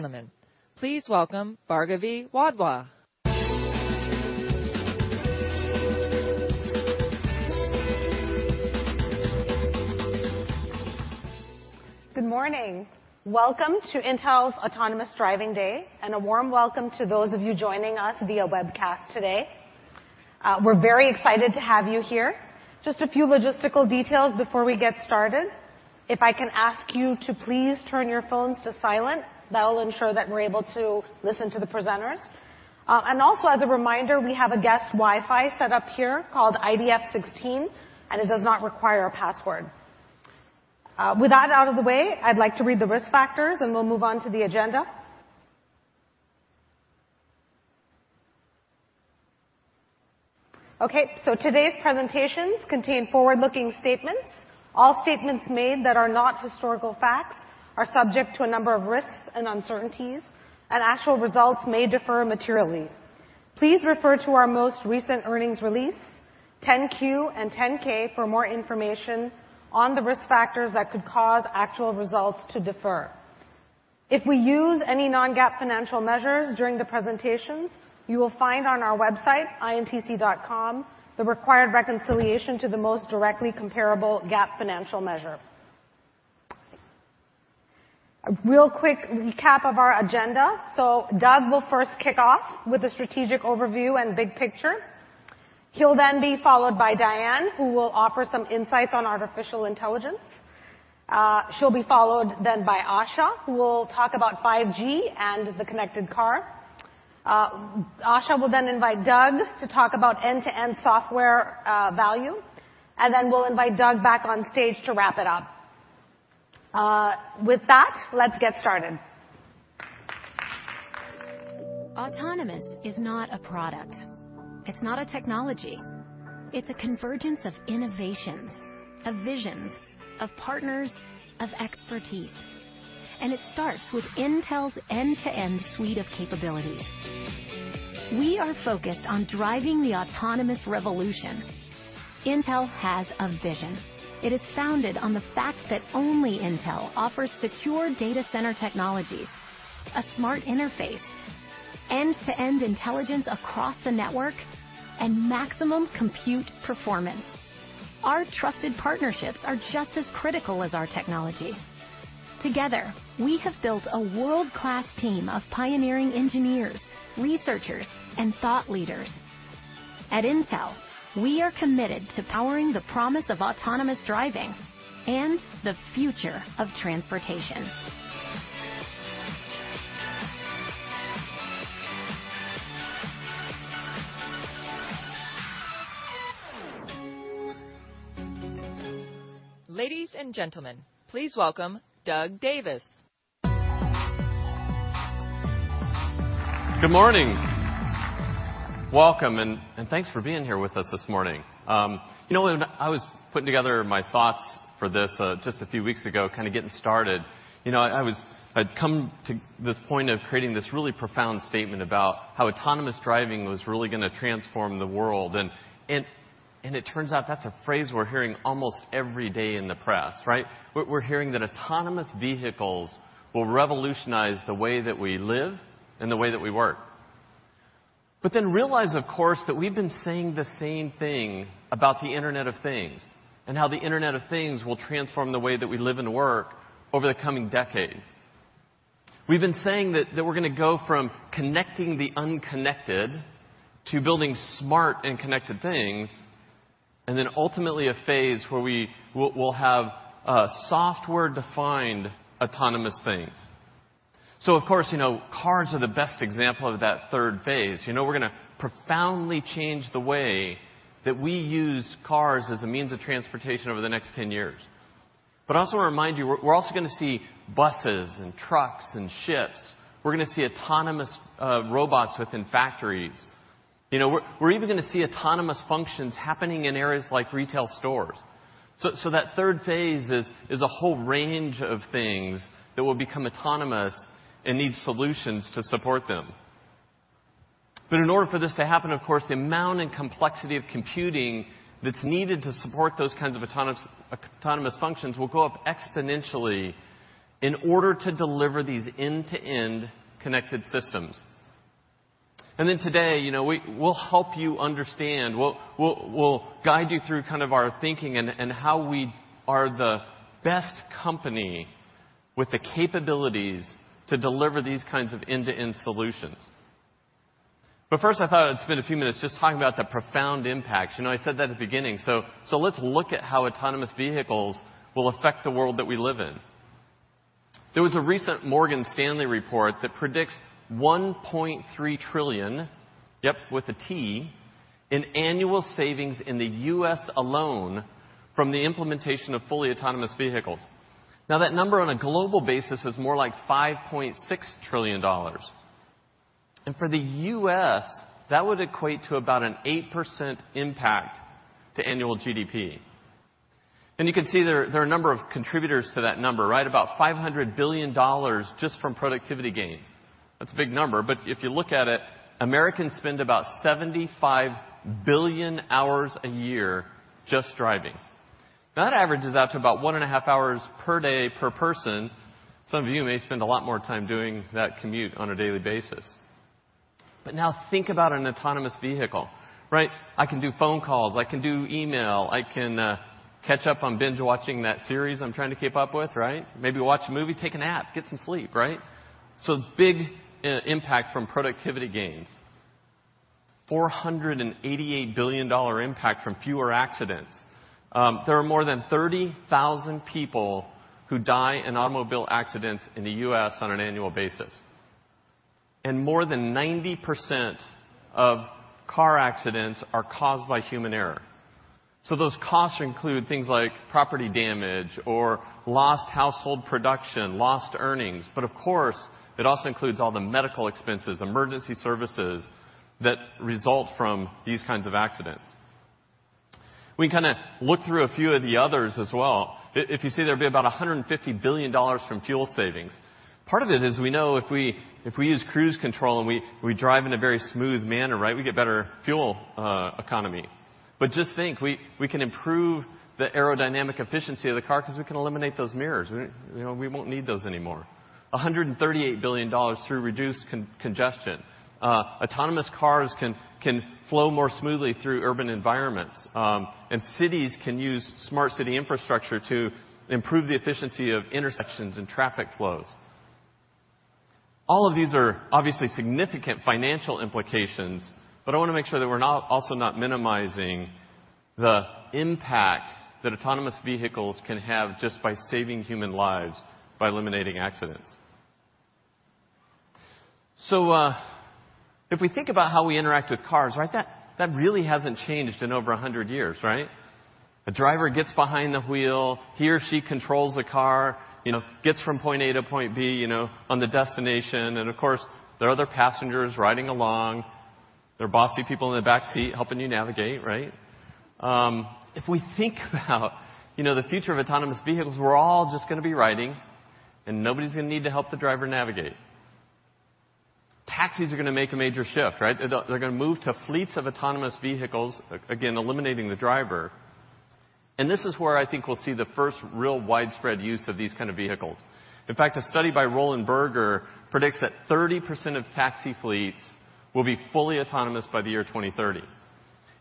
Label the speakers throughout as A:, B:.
A: Gentlemen, please welcome Bhargavi Wadhwa.
B: Good morning. Welcome to Intel's Autonomous Driving Day, a warm welcome to those of you joining us via webcast today. We're very excited to have you here. Just a few logistical details before we get started. If I can ask you to please turn your phones to silent, that'll ensure that we're able to listen to the presenters. Also, as a reminder, we have a guest Wi-Fi set up here called IDF16, it does not require a password. With that out of the way, I'd like to read the risk factors, we'll move on to the agenda. Today's presentations contain forward-looking statements. All statements made that are not historical facts are subject to a number of risks and uncertainties, actual results may differ materially. Please refer to our most recent earnings release, 10-Q and 10-K for more information on the risk factors that could cause actual results to differ. If we use any non-GAAP financial measures during the presentations, you will find on our website, intc.com, the required reconciliation to the most directly comparable GAAP financial measure. A real quick recap of our agenda. Doug will first kick off with a strategic overview and big picture. He'll be followed by Diane, who will offer some insights on artificial intelligence. She'll be followed by Asha, who will talk about 5G and the connected car. Asha will invite Doug to talk about end-to-end software value, we'll invite Doug back on stage to wrap it up. With that, let's get started.
C: Autonomous is not a product. It's not a technology. It's a convergence of innovations, of visions, of partners, of expertise. It starts with Intel's end-to-end suite of capabilities. We are focused on driving the autonomous revolution. Intel has a vision. It is founded on the fact that only Intel offers secure data center technologies, a smart interface, end-to-end intelligence across the network, and maximum compute performance. Our trusted partnerships are just as critical as our technology. Together, we have built a world-class team of pioneering engineers, researchers, and thought leaders. At Intel, we are committed to powering the promise of autonomous driving and the future of transportation.
A: Ladies and gentlemen, please welcome Doug Davis.
D: Good morning. Welcome, thanks for being here with us this morning. When I was putting together my thoughts for this just a few weeks ago, kind of getting started, I had come to this point of creating this really profound statement about how autonomous driving was really going to transform the world. It turns out that is a phrase we are hearing almost every day in the press, right? We are hearing that autonomous vehicles will revolutionize the way that we live and the way that we work. Realize, of course, that we have been saying the same thing about the Internet of Things and how the Internet of Things will transform the way that we live and work over the coming decade. We have been saying that we are going to go from connecting the unconnected to building smart and connected things. Ultimately, a phase where we will have software-defined autonomous things. Of course, cars are the best example of that third phase. We are going to profoundly change the way that we use cars as a means of transportation over the next 10 years. Also remind you, we are also going to see buses and trucks and ships. We are going to see autonomous robots within factories. We are even going to see autonomous functions happening in areas like retail stores. That third phase is a whole range of things that will become autonomous and need solutions to support them. In order for this to happen, of course, the amount and complexity of computing that is needed to support those kinds of autonomous functions will go up exponentially in order to deliver these end-to-end connected systems. Today, we will help you understand. We will guide you through our thinking and how we are the best company with the capabilities to deliver these kinds of end-to-end solutions. First, I thought I would spend a few minutes just talking about the profound impacts. I said that at the beginning. Let's look at how autonomous vehicles will affect the world that we live in. There was a recent Morgan Stanley report that predicts $1.3 trillion, yep, with a T, in annual savings in the U.S. alone from the implementation of fully autonomous vehicles. Now, that number on a global basis is more like $5.6 trillion. For the U.S., that would equate to about an 8% impact to annual GDP. You can see there are a number of contributors to that number, right? About $500 billion just from productivity gains. That's a big number, but if you look at it, Americans spend about 75 billion hours a year just driving. That averages out to about one and a half hours per day per person. Some of you may spend a lot more time doing that commute on a daily basis. Now think about an autonomous vehicle. I can do phone calls, I can do email, I can catch up on binge-watching that series I'm trying to keep up with. Maybe watch a movie, take a nap, get some sleep. Big impact from productivity gains. $488 billion impact from fewer accidents. There are more than 30,000 people who die in automobile accidents in the U.S. on an annual basis, and more than 90% of car accidents are caused by human error. Those costs include things like property damage or lost household production, lost earnings. Of course, it also includes all the medical expenses, emergency services, that result from these kinds of accidents. We can look through a few of the others as well. If you see, there will be about $150 billion from fuel savings. Part of it is we know if we use cruise control, and we drive in a very smooth manner, we get better fuel economy. Just think, we can improve the aerodynamic efficiency of the car because we can eliminate those mirrors. We won't need those anymore. $138 billion through reduced congestion. Autonomous cars can flow more smoothly through urban environments. Cities can use smart city infrastructure to improve the efficiency of intersections and traffic flows. All of these are obviously significant financial implications, I want to make sure that we're also not minimizing the impact that autonomous vehicles can have just by saving human lives, by eliminating accidents. If we think about how we interact with cars, that really hasn't changed in over 100 years. A driver gets behind the wheel, he or she controls the car, gets from point A to point B on the destination. Of course, there are other passengers riding along. There are bossy people in the back seat helping you navigate. If we think about the future of autonomous vehicles, we're all just going to be riding, and nobody's going to need to help the driver navigate. Taxis are going to make a major shift. They're going to move to fleets of autonomous vehicles, again, eliminating the driver. This is where I think we'll see the first real widespread use of these kind of vehicles. In fact, a study by Roland Berger predicts that 30% of taxi fleets will be fully autonomous by the year 2030.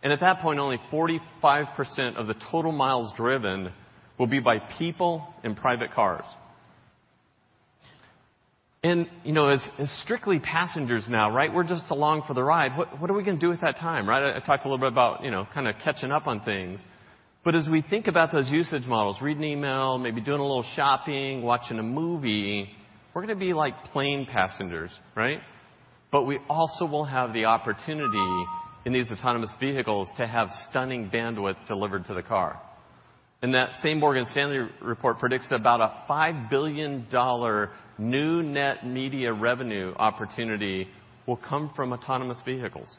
D: At that point, only 45% of the total miles driven will be by people in private cars. As strictly passengers now, we're just along for the ride. What are we going to do with that time? I talked a little bit about catching up on things. As we think about those usage models, reading email, maybe doing a little shopping, watching a movie, we're going to be like plane passengers. We also will have the opportunity in these autonomous vehicles to have stunning bandwidth delivered to the car. That same Morgan Stanley report predicts that about a $5 billion new net media revenue opportunity will come from autonomous vehicles.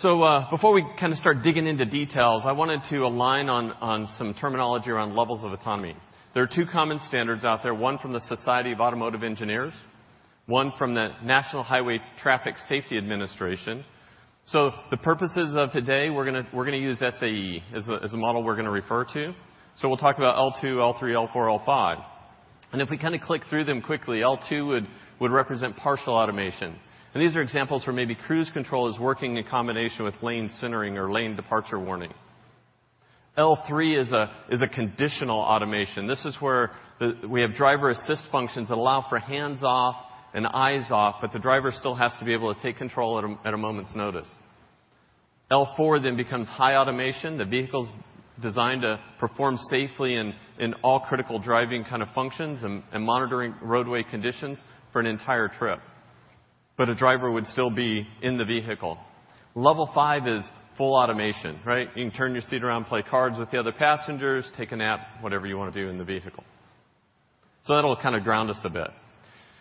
D: Before we start digging into details, I wanted to align on some terminology around levels of autonomy. There are two common standards out there. One from the Society of Automotive Engineers, one from the National Highway Traffic Safety Administration. For the purposes of today, we're going to use SAE as a model we're going to refer to. We'll talk about L2, L3, L4, L5. If we click through them quickly, L2 would represent partial automation. These are examples where maybe cruise control is working in combination with lane centering or lane departure warning. L3 is a conditional automation. This is where we have driver-assist functions that allow for hands-off and eyes-off, but the driver still has to be able to take control at a moment's notice. L4 becomes high automation. The vehicle's designed to perform safely in all critical driving functions and monitoring roadway conditions for an entire trip. A driver would still be in the vehicle. Level 5 is full automation. You can turn your seat around, play cards with the other passengers, take a nap, whatever you want to do in the vehicle. That'll ground us a bit.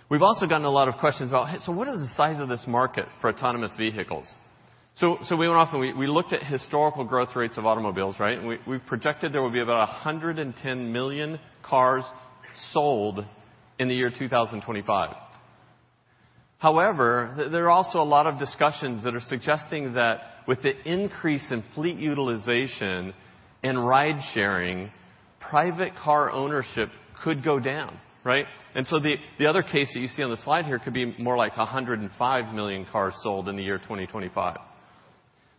D: We've also gotten a lot of questions about what is the size of this market for autonomous vehicles? We went off, and we looked at historical growth rates of automobiles. We've projected there will be about 110 million cars sold in the year 2025. However, there are also a lot of discussions that are suggesting that with the increase in fleet utilization and ride-sharing, private car ownership could go down. The other case that you see on the slide here could be more like 105 million cars sold in the year 2025.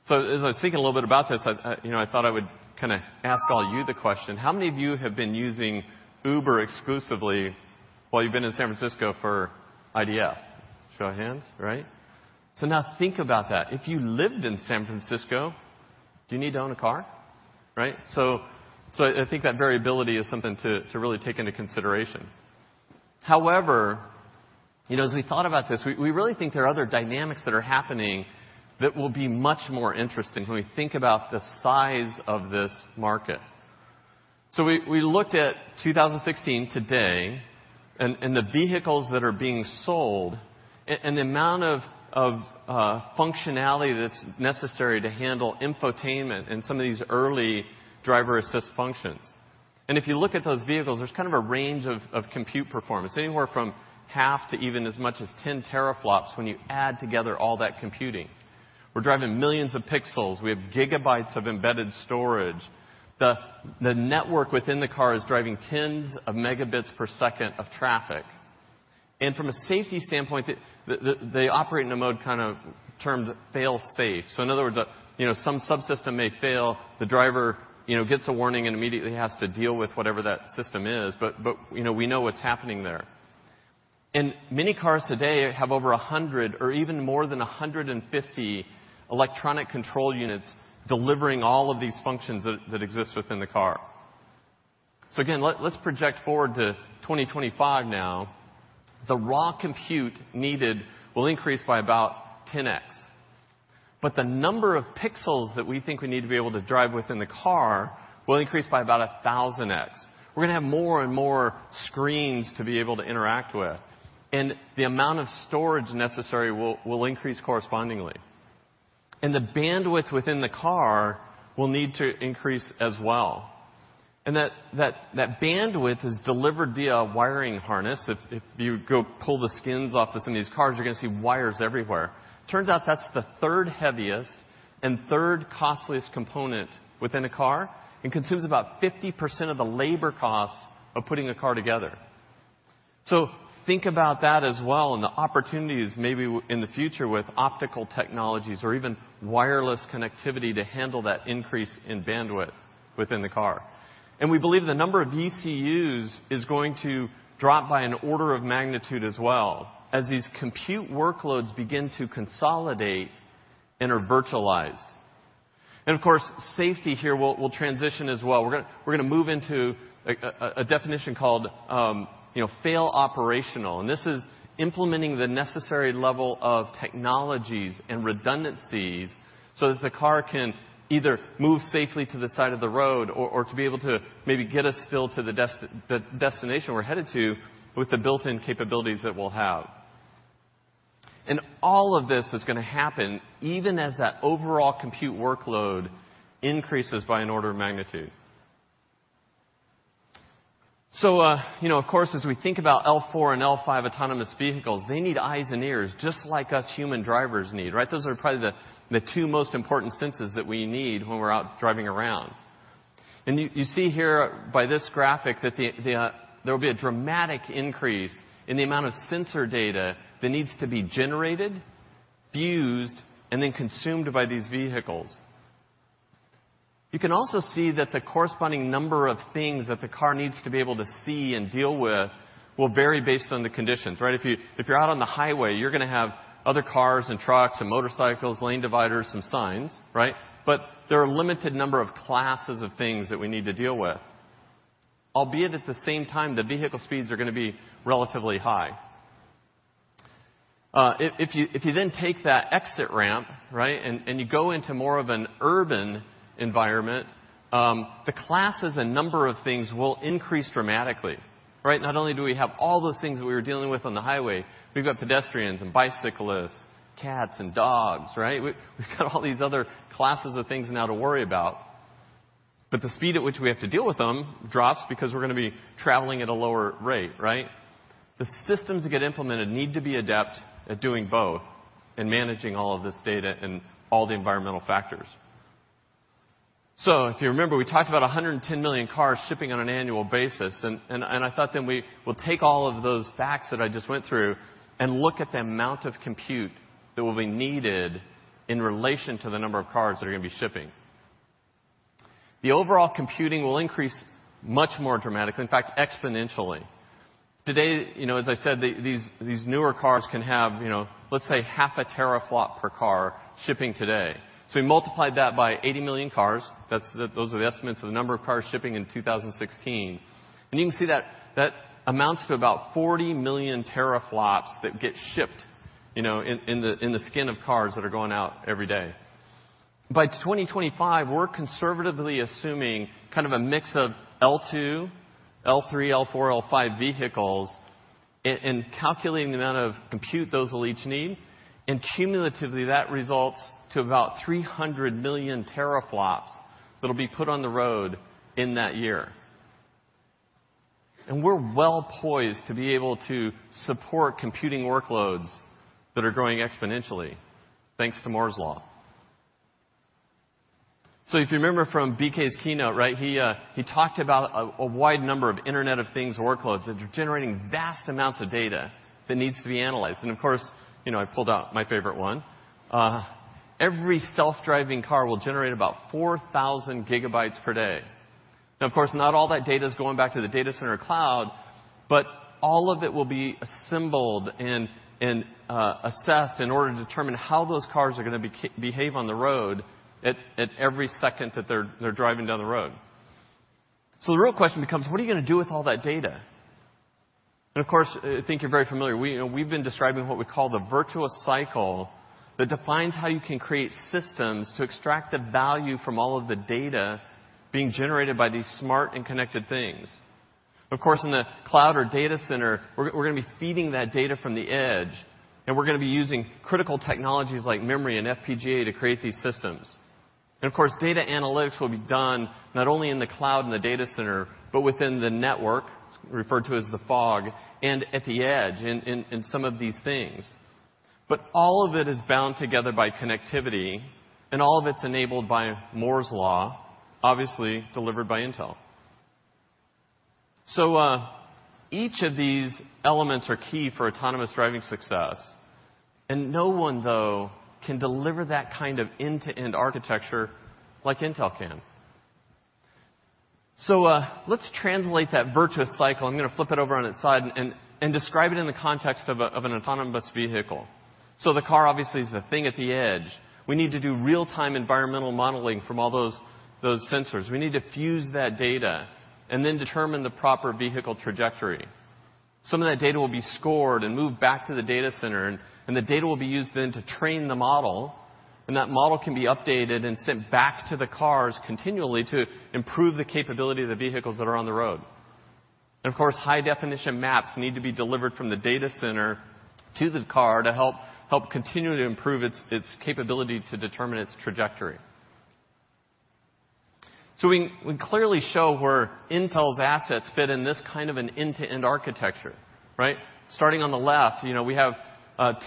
D: As I was thinking a little bit about this, I thought I would ask all you the question. How many of you have been using Uber exclusively while you've been in San Francisco for IDF? Show of hands. Now think about that. If you lived in San Francisco, do you need to own a car? I think that variability is something to really take into consideration. However, as we thought about this, we really think there are other dynamics that are happening that will be much more interesting when we think about the size of this market. We looked at 2016 today and the vehicles that are being sold and the amount of functionality that's necessary to handle infotainment and some of these early driver-assist functions. If you look at those vehicles, there's a range of compute performance, anywhere from half to even as much as 10 teraflops when you add together all that computing. We're driving millions of pixels. We have gigabytes of embedded storage. The network within the car is driving tens of megabits per second of traffic. From a safety standpoint, they operate in a mode termed fail-safe. In other words, some subsystem may fail, the driver gets a warning and immediately has to deal with whatever that system is, but we know what's happening there. Many cars today have over 100 or even more than 150 electronic control units delivering all of these functions that exist within the car. Again, let's project forward to 2025 now. The raw compute needed will increase by about 10x. The number of pixels that we think we need to be able to drive within the car will increase by about 1,000x. We're going to have more and more screens to be able to interact with, and the amount of storage necessary will increase correspondingly. The bandwidth within the car will need to increase as well. That bandwidth is delivered via a wiring harness. If you go pull the skins off some of these cars, you're going to see wires everywhere. Turns out that's the third heaviest and third costliest component within a car and consumes about 50% of the labor cost of putting a car together. Think about that as well and the opportunities maybe in the future with optical technologies or even wireless connectivity to handle that increase in bandwidth within the car. We believe the number of ECUs is going to drop by an order of magnitude as well as these compute workloads begin to consolidate and are virtualized. Of course, safety here will transition as well. We're going to move into a definition called fail operational, and this is implementing the necessary level of technologies and redundancies so that the car can either move safely to the side of the road or to be able to maybe get us still to the destination we're headed to with the built-in capabilities that we'll have. All of this is going to happen even as that overall compute workload increases by an order of magnitude. Of course, as we think about L4 and L5 autonomous vehicles, they need eyes and ears just like us human drivers need, right? Those are probably the two most important senses that we need when we're out driving around. You see here by this graphic that there will be a dramatic increase in the amount of sensor data that needs to be generated, fused, and then consumed by these vehicles. You can also see that the corresponding number of things that the car needs to be able to see and deal with will vary based on the conditions. If you're out on the highway, you're going to have other cars and trucks and motorcycles, lane dividers, some signs. There are a limited number of classes of things that we need to deal with. Albeit at the same time, the vehicle speeds are going to be relatively high. If you take that exit ramp, and you go into more of an urban environment, the classes and number of things will increase dramatically. Not only do we have all those things that we were dealing with on the highway, we've got pedestrians and bicyclists, cats and dogs. We've got all these other classes of things now to worry about. The speed at which we have to deal with them drops because we're going to be traveling at a lower rate, right? The systems that get implemented need to be adept at doing both and managing all of this data and all the environmental factors. If you remember, we talked about 110 million cars shipping on an annual basis, I thought then we'll take all of those facts that I just went through and look at the amount of compute that will be needed in relation to the number of cars that are going to be shipping. The overall computing will increase much more dramatically, in fact, exponentially. Today, as I said, these newer cars can have, let's say, half a teraflop per car shipping today. We multiplied that by 80 million cars. Those are the estimates of the number of cars shipping in 2016. You can see that amounts to about 40 million teraflops that get shipped in the skin of cars that are going out every day. By 2025, we're conservatively assuming a mix of L2, L3, L4, L5 vehicles and calculating the amount of compute those will each need. Cumulatively, that results to about 300 million teraflops that'll be put on the road in that year. We're well-poised to be able to support computing workloads that are growing exponentially, thanks to Moore's Law. If you remember from BK's keynote, he talked about a wide number of Internet of Things workloads that are generating vast amounts of data that needs to be analyzed. Of course, I pulled out my favorite one. Every self-driving car will generate about 4,000 gigabytes per day. Of course, not all that data is going back to the data center cloud, but all of it will be assembled and assessed in order to determine how those cars are going to behave on the road at every second that they're driving down the road. The real question becomes, what are you going to do with all that data? Of course, I think you're very familiar. We've been describing what we call the virtuous cycle that defines how you can create systems to extract the value from all of the data being generated by these smart and connected things. Of course, in the cloud or data center, we're going to be feeding that data from the edge, and we're going to be using critical technologies like memory and FPGA to create these systems. Of course, data analytics will be done not only in the cloud and the data center, but within the network, it's referred to as the fog, and at the edge in some of these things. All of it is bound together by connectivity, and all of it is enabled by Moore's Law, obviously delivered by Intel. Each of these elements are key for autonomous driving success, no one, though, can deliver that kind of end-to-end architecture like Intel can. Let's translate that virtuous cycle. I'm going to flip it over on its side and describe it in the context of an autonomous vehicle. The car obviously is the thing at the edge. We need to do real-time environmental modeling from all those sensors. We need to fuse that data and then determine the proper vehicle trajectory. Some of that data will be scored and moved back to the data center, the data will be used then to train the model, that model can be updated and sent back to the cars continually to improve the capability of the vehicles that are on the road. Of course, high-definition maps need to be delivered from the data center to the car to help continue to improve its capability to determine its trajectory. We clearly show where Intel's assets fit in this kind of an end-to-end architecture, right? Starting on the left, we have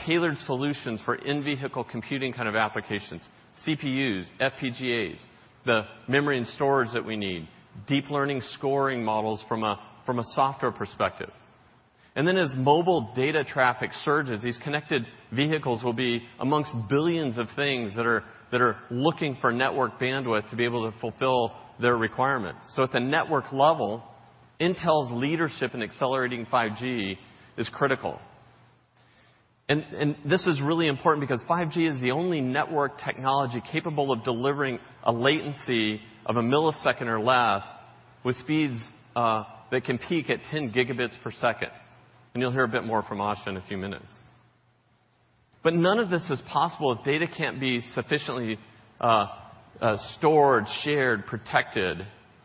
D: tailored solutions for in-vehicle computing kind of applications, CPUs, FPGAs, the memory and storage that we need, deep learning scoring models from a software perspective. Then as mobile data traffic surges, these connected vehicles will be amongst billions of things that are looking for network bandwidth to be able to fulfill their requirements. At the network level, Intel's leadership in accelerating 5G is critical. This is really important because 5G is the only network technology capable of delivering a latency of a millisecond or less with speeds that can peak at 10 gigabits per second, and you'll hear a bit more from Asha in a few minutes. None of this is possible if data can't be sufficiently stored, shared, protected.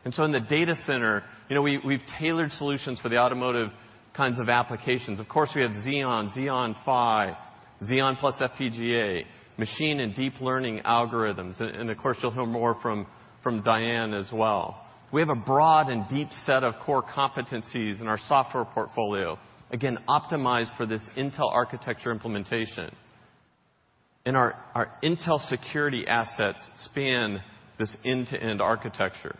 D: In the data center, we've tailored solutions for the automotive kinds of applications. Of course, we have Xeon Phi, Xeon plus FPGA, machine and deep learning algorithms. Of course, you'll hear more from Diane as well. We have a broad and deep set of core competencies in our software portfolio, again, optimized for this Intel architecture implementation. Our Intel Security assets span this end-to-end architecture.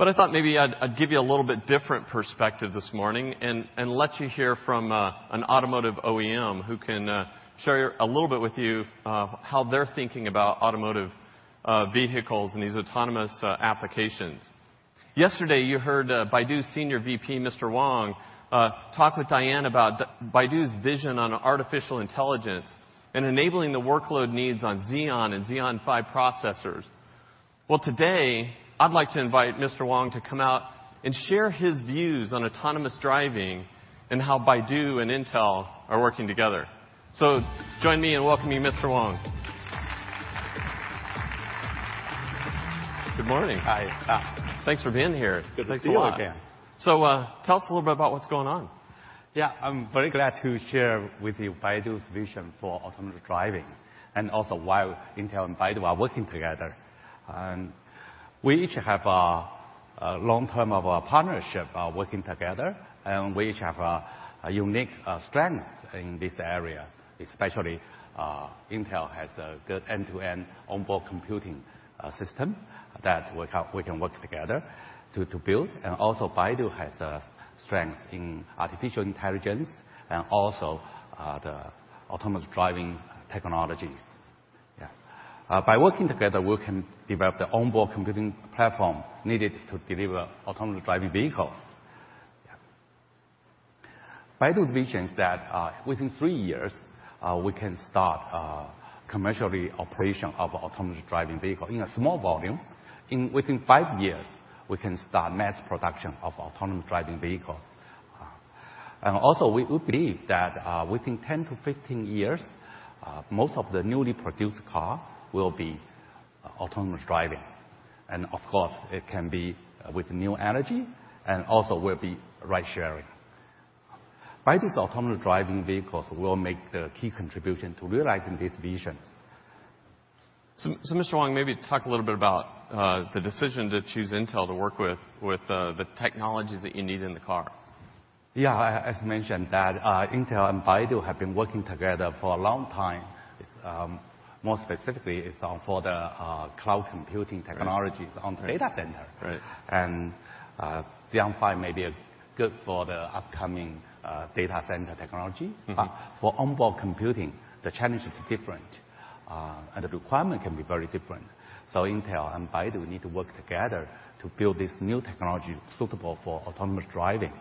D: I thought maybe I'd give you a little bit different perspective this morning and let you hear from an automotive OEM who can share a little bit with you how they're thinking about automotive vehicles and these autonomous applications. Yesterday, you heard Baidu's Senior VP, Mr. Wang, talk with Diane about Baidu's vision on artificial intelligence and enabling the workload needs on Xeon and Xeon Phi processors. Today, I'd like to invite Mr. Wang to come out and share his views on autonomous driving and how Baidu and Intel are working together. Join me in welcoming Mr. Wang. Good morning.
E: Hi.
D: Thanks for being here.
E: Good to see you again.
D: Thanks a lot. Tell us a little bit about what's going on.
E: I'm very glad to share with you Baidu's vision for autonomous driving, and also why Intel and Baidu are working together. We each have a long term of a partnership working together, and we each have a unique strength in this area, especially Intel has a good end-to-end onboard computing system that we can work together to build. Baidu has a strength in artificial intelligence and also the autonomous driving technologies. By working together, we can develop the onboard computing platform needed to deliver autonomous driving vehicles. Baidu's vision is that within three years, we can start commercially operation of autonomous driving vehicle in a small volume. Within five years, we can start mass production of autonomous driving vehicles. We believe that within 10 to 15 years, most of the newly produced car will be autonomous driving. Of course, it can be with new energy and also will be ride sharing. Baidu's autonomous driving vehicles will make the key contribution to realizing these visions.
D: Mr. Wang, maybe talk a little bit about the decision to choose Intel to work with the technologies that you need in the car.
E: Yeah. As mentioned that Intel and Baidu have been working together for a long time. More specifically, it's for the cloud computing technologies on data center.
D: Right.
E: Xeon Phi may be good for the upcoming data center technology. For onboard computing, the challenge is different, and the requirement can be very different. Intel and Baidu need to work together to build this new technology suitable for autonomous driving.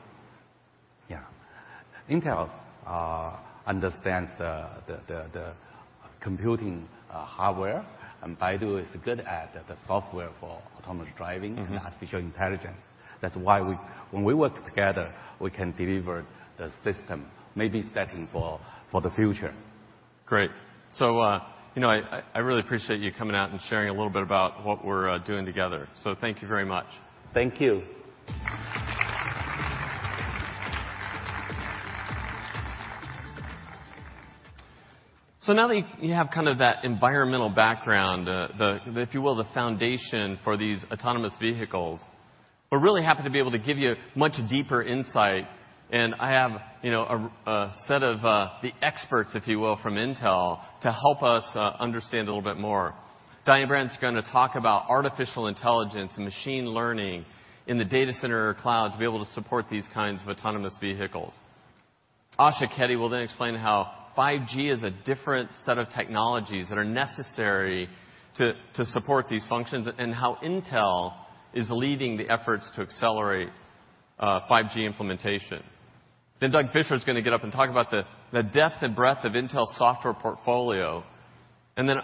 E: Yeah. Intel understands the computing hardware, and Baidu is good at the software for autonomous driving. Artificial intelligence. That's why when we work together, we can deliver the system maybe setting for the future.
D: Great. I really appreciate you coming out and sharing a little bit about what we're doing together. Thank you very much.
E: Thank you.
D: Now that you have kind of that environmental background, if you will, the foundation for these autonomous vehicles, we're really happy to be able to give you a much deeper insight, and I have a set of the experts, if you will, from Intel to help us understand a little bit more. Diane Bryant is going to talk about artificial intelligence and machine learning in the data center cloud to be able to support these kinds of autonomous vehicles. Asha Keddy will explain how 5G is a different set of technologies that are necessary to support these functions, and how Intel is leading the efforts to accelerate 5G implementation. Doug Fisher is going to get up and talk about the depth and breadth of Intel's software portfolio.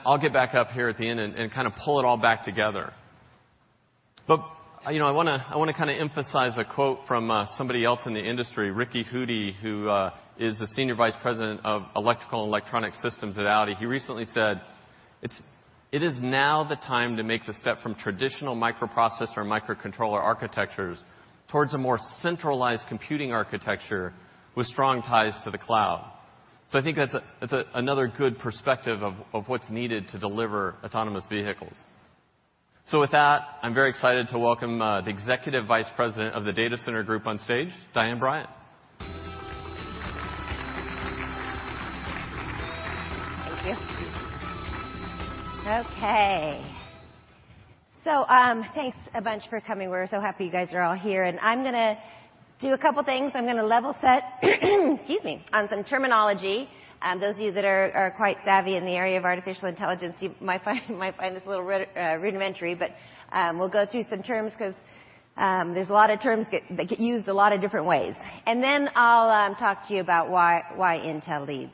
D: I'll get back up here at the end and kind of pull it all back together. I want to kind of emphasize a quote from somebody else in the industry, Ricky Hudi, who is the Senior Vice President of Electrical and Electronic Systems at Audi. He recently said, "It is now the time to make the step from traditional microprocessor and microcontroller architectures towards a more centralized computing architecture with strong ties to the cloud." I think that's another good perspective of what's needed to deliver autonomous vehicles. With that, I'm very excited to welcome, the Executive Vice President of the Data Center Group on stage, Diane Bryant.
A: Thank you. Okay. Thanks a bunch for coming. We're so happy you guys are all here, and I'm going to do a couple of things. I'm going to level set excuse me, on some terminology. Those of you that are quite savvy in the area of artificial intelligence, you might find this a little rudimentary, we'll go through some terms because there's a lot of terms that get used a lot of different ways. Then I'll talk to you about why Intel leads.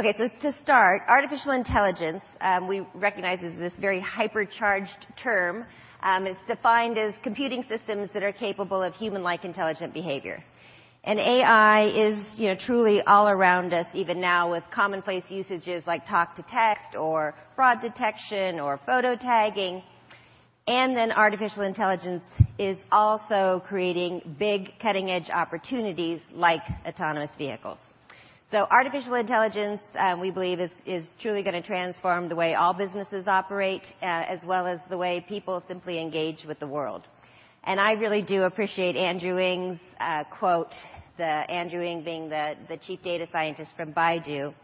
A: Okay, to start, artificial intelligence, we recognize is this very hyper-charged term. It's defined as computing systems that are capable of human-like intelligent behavior. AI is truly all around us, even now with commonplace usages like talk-to-text or fraud detection or photo tagging. Then artificial intelligence is also creating big cutting-edge opportunities like autonomous vehicles. Artificial intelligence, we believe, is truly going to transform the way all businesses operate as well as the way people simply engage with the world. I really do appreciate Andrew Ng's quote, Andrew Ng being the Chief Data Scientist from Baidu.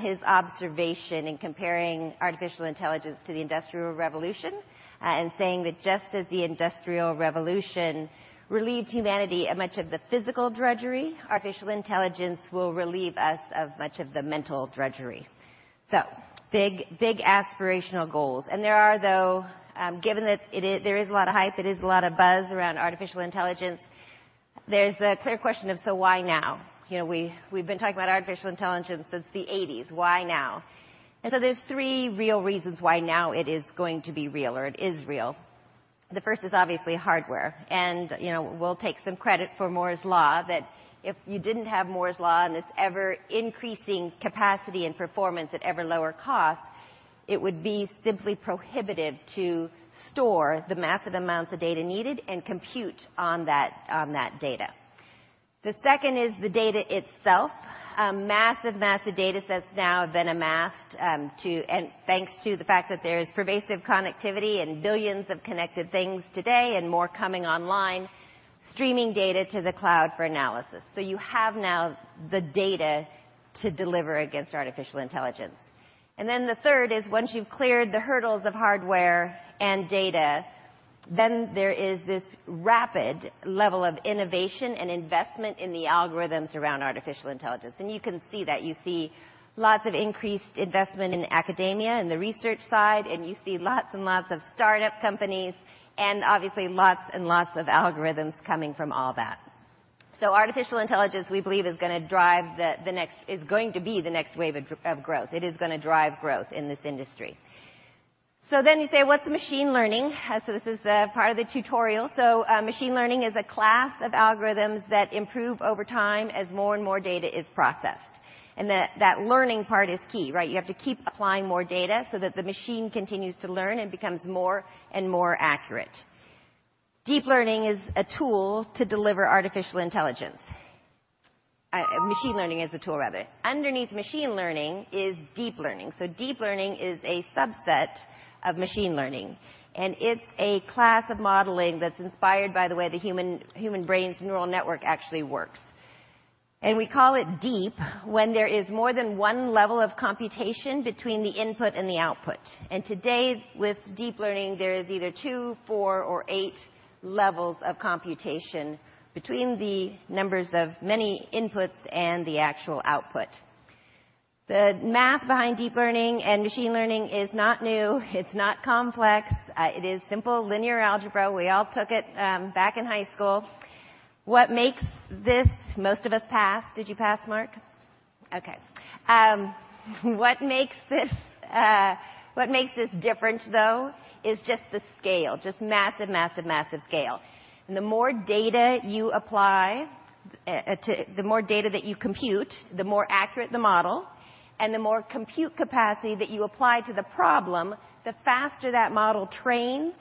A: His observation in comparing artificial intelligence to the Industrial Revolution and saying that just as the Industrial Revolution relieved humanity of much of the physical drudgery, artificial intelligence will relieve us of much of the mental drudgery. Big, big aspirational goals. There are, though, given that there is a lot of hype, it is a lot of buzz around artificial intelligence, there's the clear question of, why now? We've been talking about artificial intelligence since the '80s. Why now? There's three real reasons why now it is going to be real or it is real. The first is obviously hardware. We'll take some credit for Moore's Law that if you didn't have Moore's Law and this ever-increasing capacity and performance at ever lower cost, it would be simply prohibitive to store the massive amounts of data needed and compute on that data. The second is the data itself. Massive data sets now have been amassed thanks to the fact that there is pervasive connectivity and billions of connected things today, and more coming online, streaming data to the cloud for analysis. You have now the data to deliver against artificial intelligence. Then the third is once you've cleared the hurdles of hardware and data, then there is this rapid level of innovation and investment in the algorithms around artificial intelligence. You can see that. You see lots of increased investment in academia and the research side, and you see lots and lots of startup companies, and obviously, lots and lots of algorithms coming from all that. Artificial intelligence, we believe, is going to be the next wave of growth. It is going to drive growth in this industry. You say, what's machine learning? This is part of the tutorial. Machine learning is a class of algorithms that improve over time as more and more data is processed, and that learning part is key, right? You have to keep applying more data so that the machine continues to learn and becomes more and more accurate. Deep learning is a tool to deliver artificial intelligence. Machine learning is a tool, rather. Underneath machine learning is deep learning. Deep learning is a subset of machine learning, and it's a class of modeling that's inspired by the way the human brain's neural network actually works. We call it deep when there is more than one level of computation between the input and the output. Today, with deep learning, there is either 2, 4, or 8 levels of computation between the numbers of many inputs and the actual output. The math behind deep learning and machine learning is not new. It's not complex. It is simple linear algebra. We all took it back in high school. What makes this most of us pass? Did you pass, Mark? Okay. What makes this different though is just the scale, just massive scale. The more data that you compute, the more accurate the model, and the more compute capacity that you apply to the problem, the faster that model trains,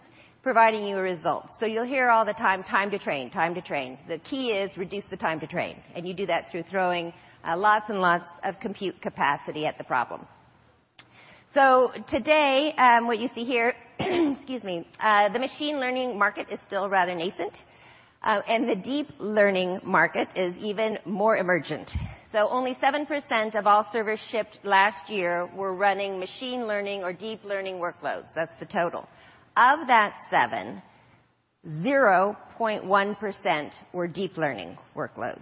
A: providing you a result. You'll hear all the time to train. The key is reduce the time to train, and you do that through throwing lots and lots of compute capacity at the problem. Today, what you see here, excuse me. The machine learning market is still rather nascent, and the deep learning market is even more emergent. Only 7% of all servers shipped last year were running machine learning or deep learning workloads. That's the total. Of that seven, 0.1% were deep learning workloads.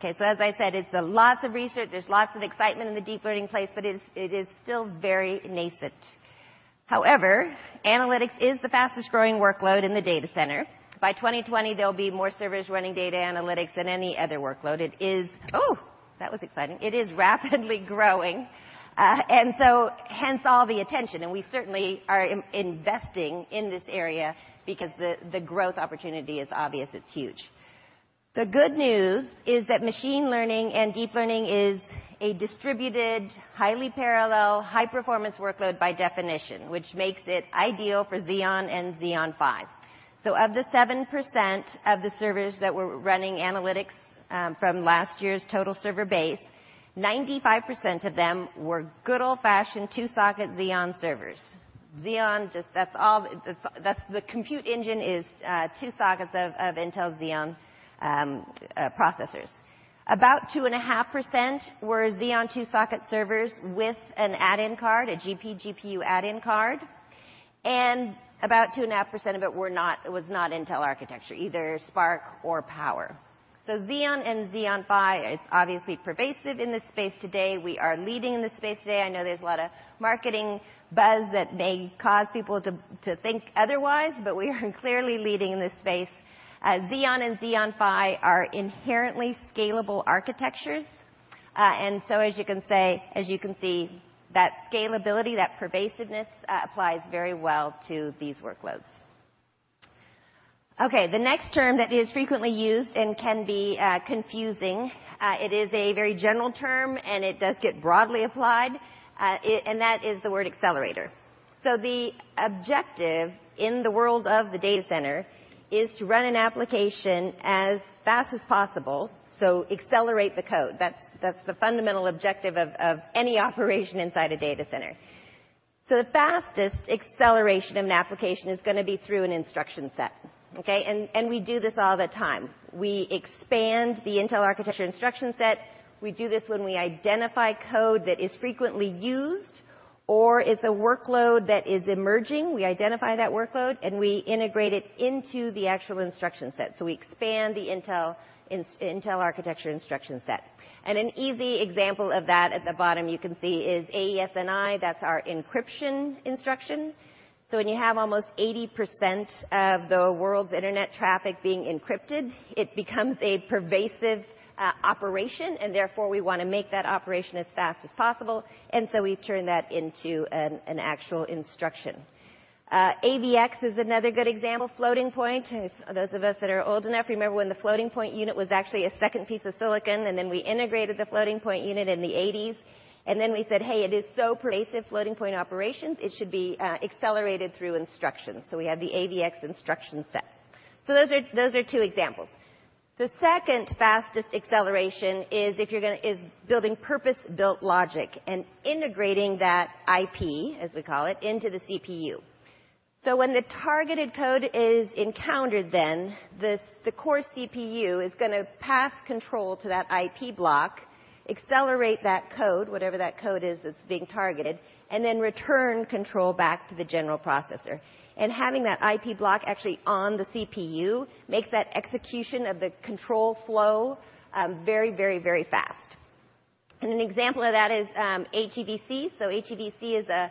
A: As I said, it's lots of research. There's lots of excitement in the deep learning place, but it is still very nascent. However, analytics is the fastest-growing workload in the data center. By 2020, there'll be more servers running data analytics than any other workload. It is. Ooh, that was exciting. It is rapidly growing, hence all the attention, and we certainly are investing in this area because the growth opportunity is obvious. It's huge. The good news is that machine learning and deep learning is a distributed, highly parallel, high-performance workload by definition, which makes it ideal for Xeon and Xeon Phi. Of the 7% of the servers that were running analytics from last year's total server base, 95% of them were good old-fashioned two-socket Xeon servers. The compute engine is two sockets of Intel Xeon processors. About 2.5% were Xeon two-socket servers with an add-in card, a GPGPU add-in card, and about 2.5% of it was not Intel architecture, either SPARC or POWER. Xeon and Xeon Phi is obviously pervasive in this space today. We are leading in this space today. I know there's a lot of marketing buzz that may cause people to think otherwise, but we are clearly leading in this space. Xeon and Xeon Phi are inherently scalable architectures. As you can see, that scalability, that pervasiveness, applies very well to these workloads. Okay, the next term that is frequently used and can be confusing, it is a very general term, and it does get broadly applied, and that is the word accelerator. The objective in the world of the data center is to run an application as fast as possible, so accelerate the code. That's the fundamental objective of any operation inside a data center. The fastest acceleration of an application is going to be through an instruction set, okay? We do this all the time. We expand the Intel architecture instruction set. We do this when we identify code that is frequently used or it's a workload that is emerging. We identify that workload, and we integrate it into the actual instruction set. We expand the Intel architecture instruction set. An easy example of that at the bottom you can see is AES-NI. That's our encryption instruction. When you have almost 80% of the world's internet traffic being encrypted, it becomes a pervasive operation, and therefore, we want to make that operation as fast as possible. We turn that into an actual instruction. AVX is another good example, floating point. Those of us that are old enough remember when the floating point unit was actually a second piece of silicon, and then we integrated the floating point unit in the '80s, and then we said, "Hey, it is so pervasive, floating point operations, it should be accelerated through instructions." We have the AVX instruction set. Those are two examples. The second fastest acceleration is building purpose-built logic and integrating that IP, as we call it, into the CPU. When the targeted code is encountered then, the core CPU is going to pass control to that IP block, accelerate that code, whatever that code is that's being targeted, and then return control back to the general processor. Having that IP block actually on the CPU makes that execution of the control flow very fast. An example of that is HEVC. HEVC is a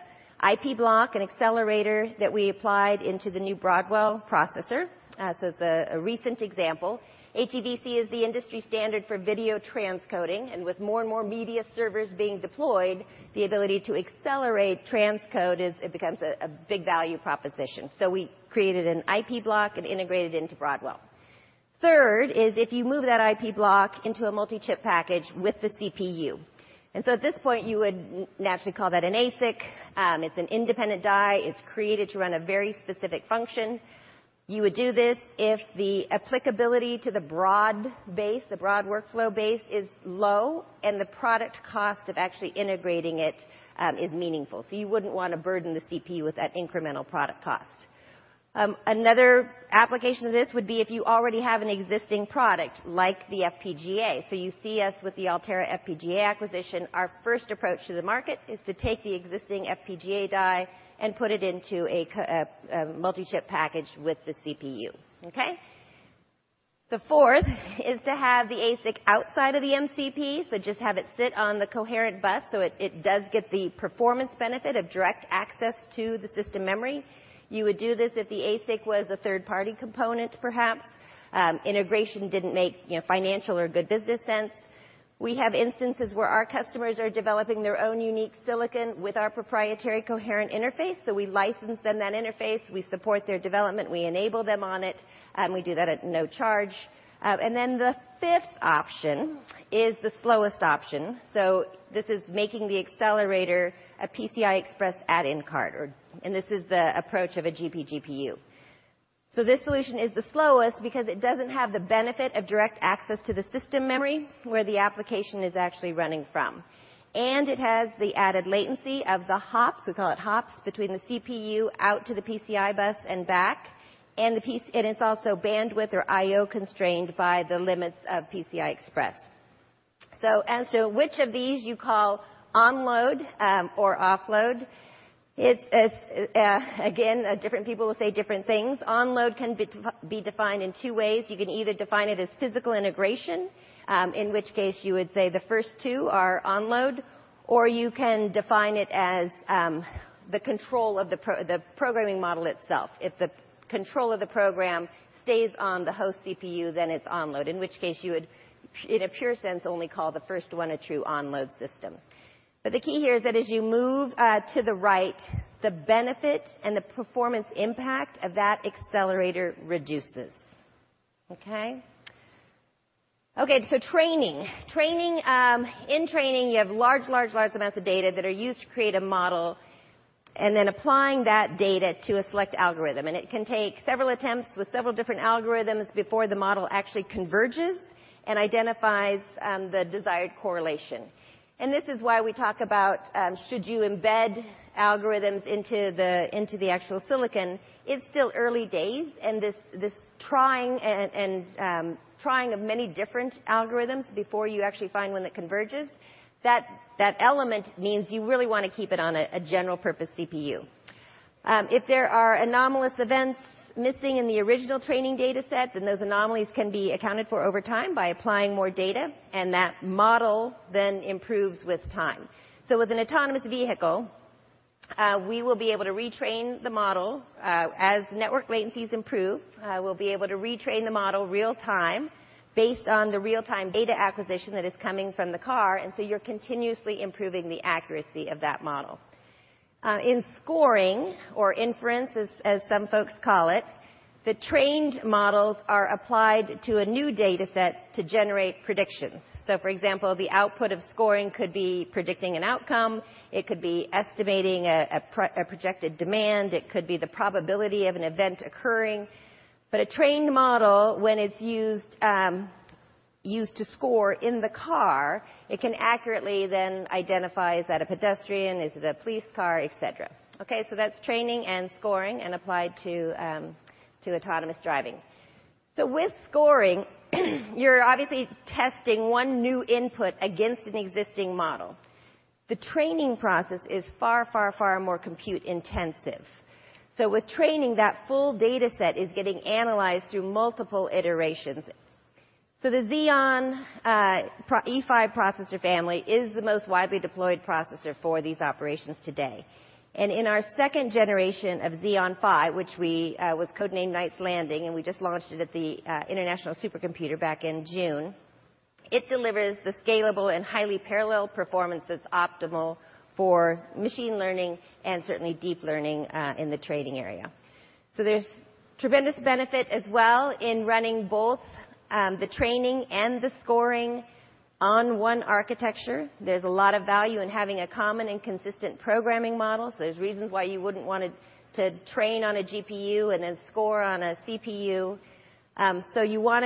A: IP block and accelerator that we applied into the new Broadwell processor. It's a recent example. HEVC is the industry standard for video transcoding, and with more and more media servers being deployed, the ability to accelerate transcode becomes a big value proposition. We created an IP block and integrated it into Broadwell. Third is if you move that IP block into a multi-chip package with the CPU. At this point, you would naturally call that an ASIC. It's an independent die. It's created to run a very specific function. You would do this if the applicability to the broad base, the broad workflow base, is low and the product cost of actually integrating it is meaningful. You wouldn't want to burden the CPU with that incremental product cost. Another application of this would be if you already have an existing product like the FPGA. You see us with the Altera FPGA acquisition. Our first approach to the market is to take the existing FPGA die and put it into a multi-chip package with the CPU, okay? The fourth is to have the ASIC outside of the MCP, just have it sit on the coherent bus so it does get the performance benefit of direct access to the system memory. You would do this if the ASIC was a third-party component, perhaps. Integration didn't make financial or good business sense. We have instances where our customers are developing their own unique silicon with our proprietary coherent interface. We license them that interface, we support their development, we enable them on it, and we do that at no charge. The fifth option is the slowest option. This is making the accelerator a PCI Express add-in card, and this is the approach of a GPGPU. This solution is the slowest because it doesn't have the benefit of direct access to the system memory where the application is actually running from. It has the added latency of the hops, we call it hops, between the CPU out to the PCI bus and back, and it's also bandwidth or IO constrained by the limits of PCI Express. As to which of these you call on-load or off-load, again, different people will say different things. On-load can be defined in two ways. You can either define it as physical integration, in which case you would say the first two are on-load, or you can define it as the control of the programming model itself. If the control of the program stays on the host CPU, then it's on-load, in which case you would, in a pure sense, only call the first one a true on-load system. The key here is that as you move to the right, the benefit and the performance impact of that accelerator reduces. Okay? Training. In training, you have large amounts of data that are used to create a model and then applying that data to a select algorithm. It can take several attempts with several different algorithms before the model actually converges and identifies the desired correlation. This is why we talk about should you embed algorithms into the actual silicon. It's still early days, and this trying of many different algorithms before you actually find one that converges, that element means you really want to keep it on a general purpose CPU. If there are anomalous events missing in the original training data set, then those anomalies can be accounted for over time by applying more data, and that model then improves with time. With an autonomous vehicle, we will be able to retrain the model as network latencies improve. We'll be able to retrain the model real-time based on the real-time data acquisition that is coming from the car, you're continuously improving the accuracy of that model. In scoring, or inference, as some folks call it, the trained models are applied to a new data set to generate predictions. For example, the output of scoring could be predicting an outcome, it could be estimating a projected demand, it could be the probability of an event occurring. A trained model, when it's used to score in the car, it can accurately then identify, is that a pedestrian, is it a police car, et cetera. That's training and scoring and applied to autonomous driving. With scoring, you're obviously testing one new input against an existing model. The training process is far more compute-intensive. With training, that full data set is getting analyzed through multiple iterations. The Xeon E5 processor family is the most widely deployed processor for these operations today. In our second generation of Xeon Phi, which was codenamed Knights Landing, and we just launched it at the International Supercomputer back in June. It delivers the scalable and highly parallel performance that's optimal for machine learning and certainly deep learning in the training area. There's tremendous benefit as well in running both the training and the scoring on one architecture. There's a lot of value in having a common and consistent programming model. There's reasons why you wouldn't want to train on a GPU and then score on a CPU. You want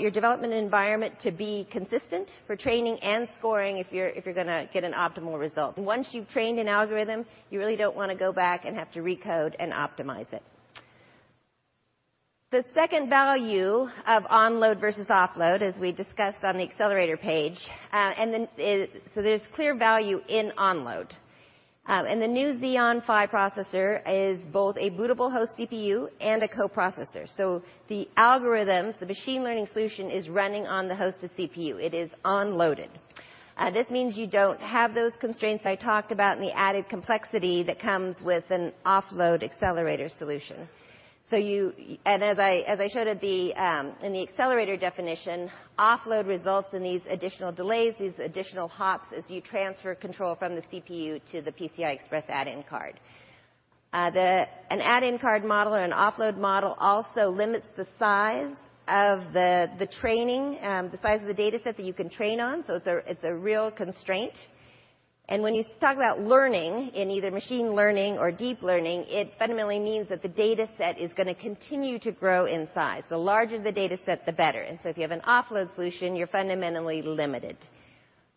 A: your development environment to be consistent for training and scoring if you're going to get an optimal result. Once you've trained an algorithm, you really don't want to go back and have to recode and optimize it. The second value of on-load versus off-load, as we discussed on the accelerator page, there's clear value in on-load. The new Xeon Phi processor is both a bootable host CPU and a coprocessor. The algorithms, the machine learning solution, is running on the host of CPU. It is on-loaded. This means you don't have those constraints I talked about and the added complexity that comes with an off-load accelerator solution. As I showed in the accelerator definition, off-load results in these additional delays, these additional hops as you transfer control from the CPU to the PCI Express add-in card. An add-in card model or an off-load model also limits the size of the training, the size of the data set that you can train on. It's a real constraint. When you talk about learning in either machine learning or deep learning, it fundamentally means that the data set is going to continue to grow in size. The larger the data set, the better. If you have an off-load solution, you're fundamentally limited.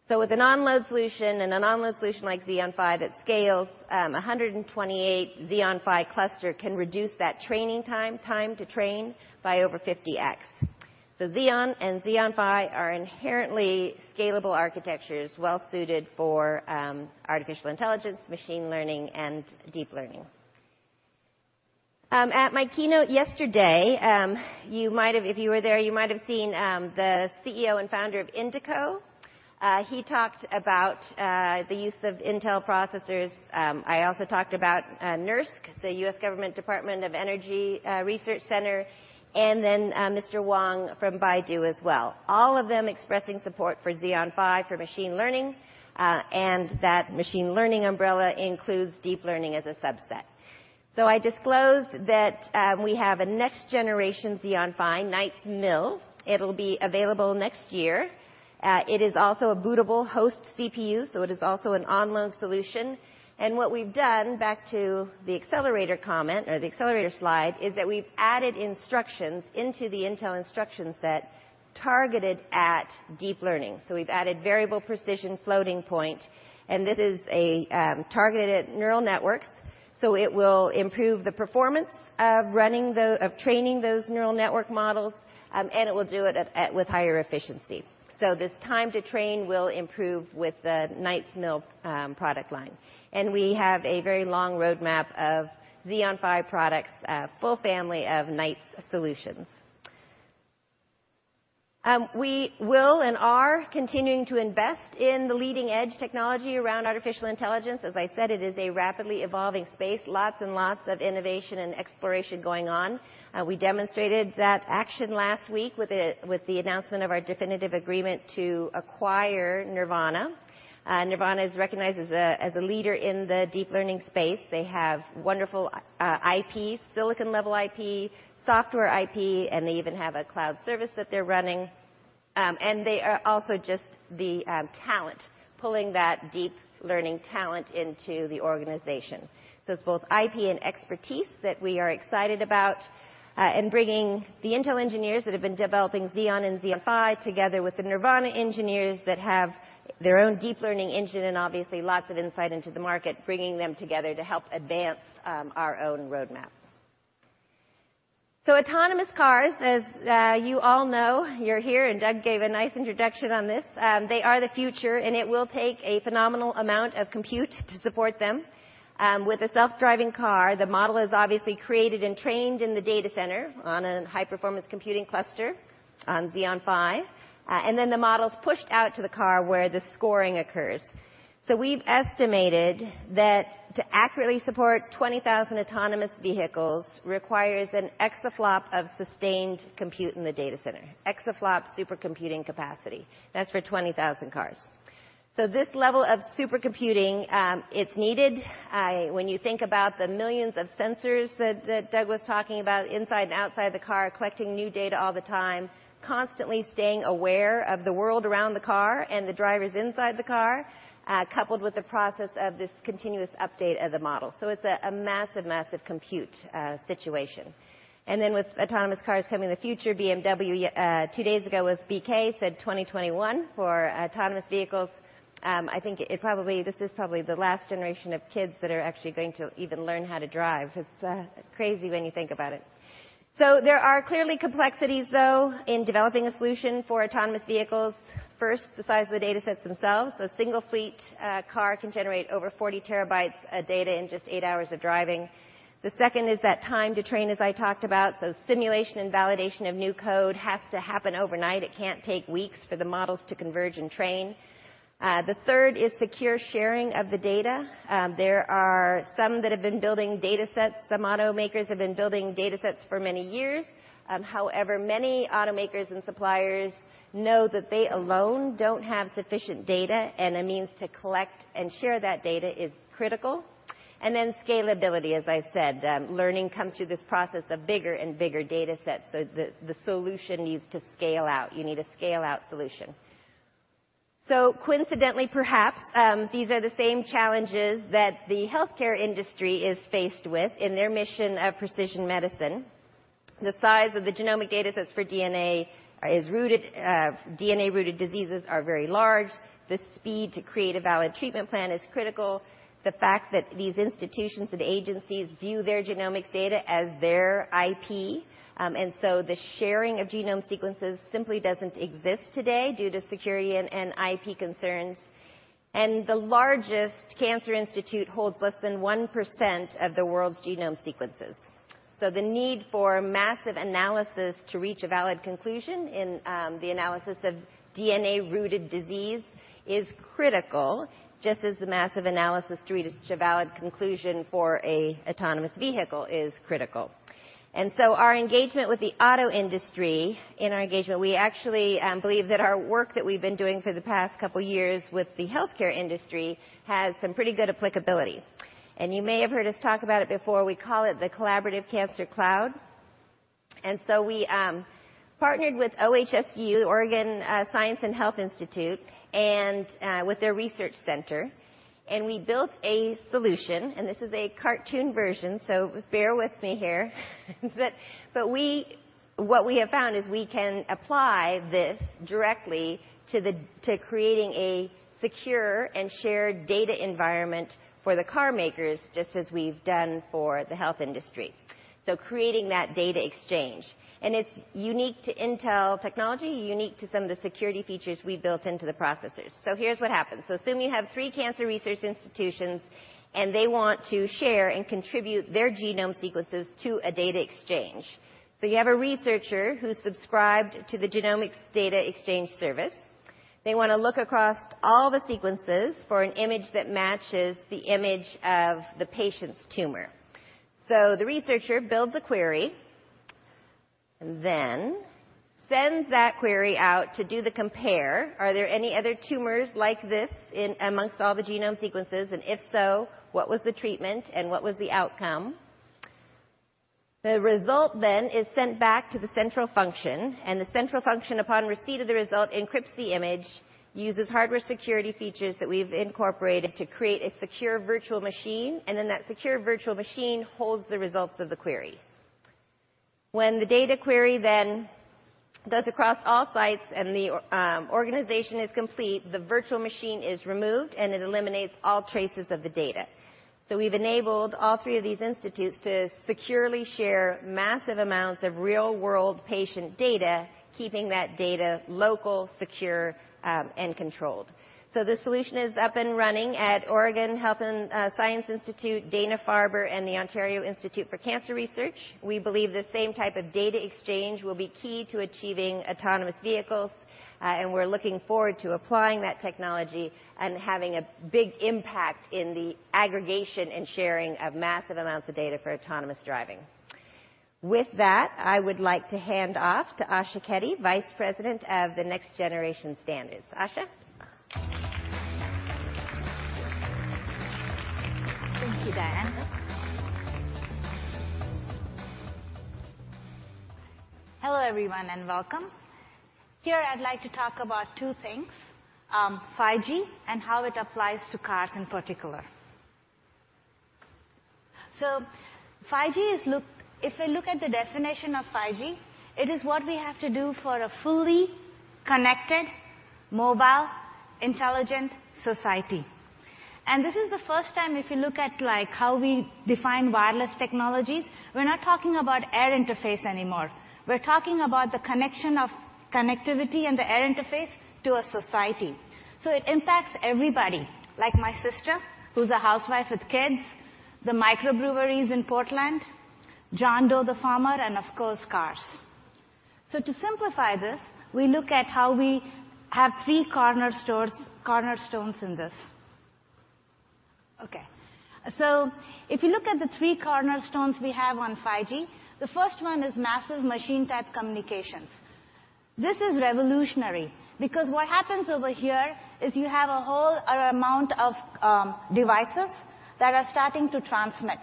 A: With an on-load solution and an on-load solution like Xeon Phi that scales, 128 Xeon Phi cluster can reduce that training time to train, by over 50x. Xeon and Xeon Phi are inherently scalable architectures well suited for artificial intelligence, machine learning, and deep learning. At my keynote yesterday, if you were there, you might have seen the CEO and founder of Indico. He talked about the use of Intel processors. I also talked about NERSC, the U.S. Government Department of Energy Research Center, and then Mr. Wang from Baidu as well, all of them expressing support for Xeon Phi for machine learning, and that machine learning umbrella includes deep learning as a subset. I disclosed that we have a next generation Xeon Phi, Knights Mill. It'll be available next year. It is also a bootable host CPU. It is also an on-load solution. What we've done, back to the accelerator comment or the accelerator slide, is that we've added instructions into the Intel instruction set targeted at deep learning. We've added variable precision floating point, and this is targeted at neural networks, so it will improve the performance of training those neural network models, and it will do it with higher efficiency. This time to train will improve with the Knights Mill product line. We have a very long roadmap of Xeon Phi products, a full family of Knights solutions. We will and are continuing to invest in the leading edge technology around artificial intelligence. As I said, it is a rapidly evolving space. Lots and lots of innovation and exploration going on. We demonstrated that action last week with the announcement of our definitive agreement to acquire Nervana. Nervana is recognized as a leader in the deep learning space. They have wonderful IP, silicon-level IP, software IP, and they even have a cloud service that they're running. They are also just the talent, pulling that deep learning talent into the organization. It's both IP and expertise that we are excited about, and bringing the Intel engineers that have been developing Xeon and Xeon Phi together with the Nervana engineers that have their own deep learning engine and obviously lots of insight into the market, bringing them together to help advance our own roadmap. Autonomous cars, as you all know, you're here, and Doug gave a nice introduction on this. They are the future, and it will take a phenomenal amount of compute to support them. With a self-driving car, the model is obviously created and trained in the data center on a high-performance computing cluster on Xeon Phi, and then the model is pushed out to the car where the scoring occurs. We've estimated that to accurately support 20,000 autonomous vehicles requires an exaflop of sustained compute in the data center. Exaflop supercomputing capacity. That's for 20,000 cars. This level of supercomputing, it's needed. When you think about the millions of sensors that Doug was talking about inside and outside the car, collecting new data all the time, constantly staying aware of the world around the car and the drivers inside the car, coupled with the process of this continuous update of the model. It's a massive compute situation. Then with autonomous cars coming in the future, BMW two days ago with BK said 2021 for autonomous vehicles. I think this is probably the last generation of kids that are actually going to even learn how to drive. It's crazy when you think about it. There are clearly complexities, though, in developing a solution for autonomous vehicles. First, the size of the datasets themselves. A single fleet car can generate over 40 terabytes of data in just eight hours of driving. The second is that time to train, as I talked about. Simulation and validation of new code has to happen overnight. It can't take weeks for the models to converge and train. The third is secure sharing of the data. There are some that have been building datasets. Some automakers have been building datasets for many years. However, many automakers and suppliers know that they alone don't have sufficient data, and a means to collect and share that data is critical. Scalability, as I said. Learning comes through this process of bigger and bigger datasets. The solution needs to scale out. You need a scale-out solution. Coincidentally, perhaps, these are the same challenges that the healthcare industry is faced with in their mission of precision medicine. The size of the genomic datasets for DNA-rooted diseases are very large. The speed to create a valid treatment plan is critical. The fact that these institutions and agencies view their genomics data as their IP, and so the sharing of genome sequences simply doesn't exist today due to security and IP concerns. The largest cancer institute holds less than 1% of the world's genome sequences. The need for massive analysis to reach a valid conclusion in the analysis of DNA-rooted disease is critical, just as the massive analysis to reach a valid conclusion for an autonomous vehicle is critical. Our engagement with the auto industry, in our engagement, we actually believe that our work that we've been doing for the past couple of years with the healthcare industry has some pretty good applicability. You may have heard us talk about it before. We call it the Collaborative Cancer Cloud. We partnered with OHSU, Oregon Health & Science University, and with their research center, and we built a solution, and this is a cartoon version, so bear with me here. What we have found is we can apply this directly to creating a secure and shared data environment for the car makers, just as we've done for the health industry. So creating that data exchange. It's unique to Intel technology, unique to some of the security features we built into the processors. Here's what happens. Assume you have three cancer research institutions, and they want to share and contribute their genome sequences to a data exchange. You have a researcher who's subscribed to the Genomics Data Exchange service. They want to look across all the sequences for an image that matches the image of the patient's tumor. The researcher builds a query, and then sends that query out to do the compare. Are there any other tumors like this amongst all the genome sequences? If so, what was the treatment and what was the outcome? The result then is sent back to the central function, and the central function upon receipt of the result, encrypts the image, uses hardware security features that we've incorporated to create a secure virtual machine, and then that secure virtual machine holds the results of the query. When the data query then does across all sites and the organization is complete, the virtual machine is removed, and it eliminates all traces of the data. We've enabled all three of these institutes to securely share massive amounts of real-world patient data, keeping that data local, secure, and controlled. The solution is up and running at Oregon Health & Science University, Dana-Farber, and the Ontario Institute for Cancer Research. We believe the same type of data exchange will be key to achieving autonomous vehicles. We're looking forward to applying that technology and having a big impact in the aggregation and sharing of massive amounts of data for autonomous driving. With that, I would like to hand off to Asha Keddy, Vice President of the Next Generation Standards. Asha?
F: Thank you, Diane. Hello everyone, and welcome. Here I'd like to talk about two things, 5G and how it applies to cars in particular. 5G, if we look at the definition of 5G, it is what we have to do for a fully connected, mobile, intelligent society. This is the first time, if you look at how we define wireless technologies, we're not talking about air interface anymore. We're talking about the connection of connectivity and the air interface to a society. It impacts everybody, like my sister, who's a housewife with kids, the microbreweries in Portland, John Doe the farmer, and of course, cars. To simplify this, we look at how we have three cornerstones in this. Okay. If you look at the three cornerstones we have on 5G, the first one is massive machine-type communications. This is revolutionary because what happens over here is you have a whole amount of devices that are starting to transmit.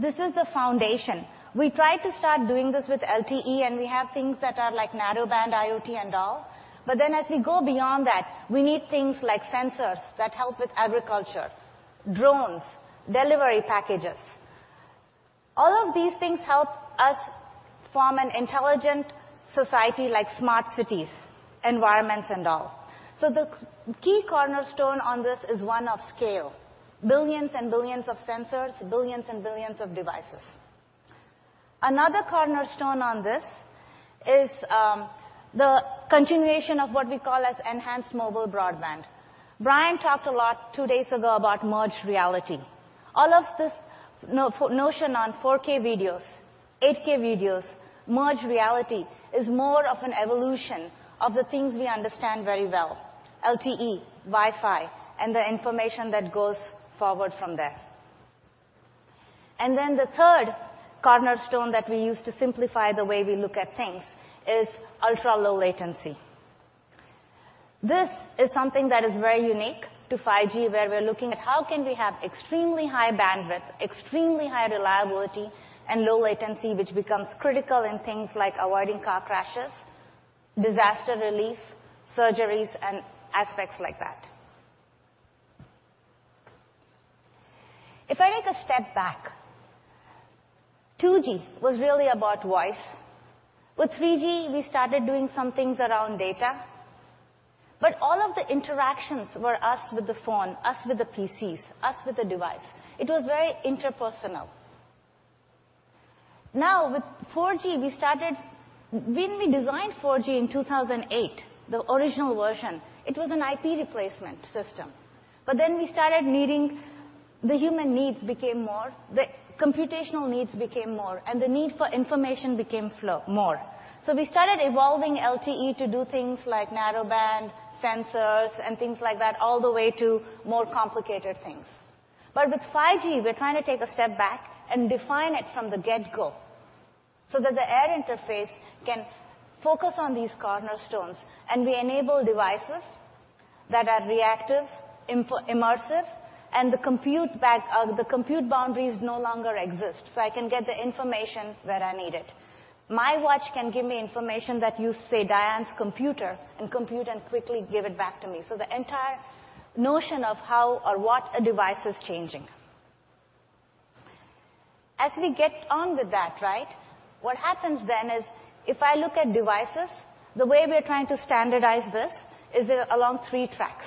F: This is the foundation. We try to start doing this with LTE. We have things that are like Narrowband IoT and all. But then as we go beyond that, we need things like sensors that help with agriculture, drones, delivery packages. All of these things help us form an intelligent society like smart cities, environments, and all. The key cornerstone on this is one of scale. Billions and billions of sensors, billions and billions of devices. Another cornerstone on this is the continuation of what we call as enhanced mobile broadband. BK talked a lot two days ago about merged reality. All of this notion on 4K videos, 8K videos, merged reality is more of an evolution of the things we understand very well, LTE, Wi-Fi, and the information that goes forward from there. The third cornerstone that we use to simplify the way we look at things is ultra-low latency. This is something that is very unique to 5G, where we're looking at how can we have extremely high bandwidth, extremely high reliability, and low latency, which becomes critical in things like avoiding car crashes, disaster relief, surgeries, and aspects like that. If I take a step back, 2G was really about voice. With 3G, we started doing some things around data. All of the interactions were us with the phone, us with the PCs, us with the device. It was very interpersonal. With 4G, when we designed 4G in 2008, the original version, it was an IP replacement system. The human needs became more, the computational needs became more, and the need for information became more. We started evolving LTE to do things like narrowband, sensors, and things like that, all the way to more complicated things. With 5G, we're trying to take a step back and define it from the get-go so that the air interface can focus on these cornerstones, and we enable devices that are reactive, immersive, and the compute boundaries no longer exist, so I can get the information where I need it. My watch can give me information that you say Diane's computer can compute and quickly give it back to me. The entire notion of how or what a device is changing. As we get on with that, right? What happens then is if I look at devices, the way we are trying to standardize this is along three tracks.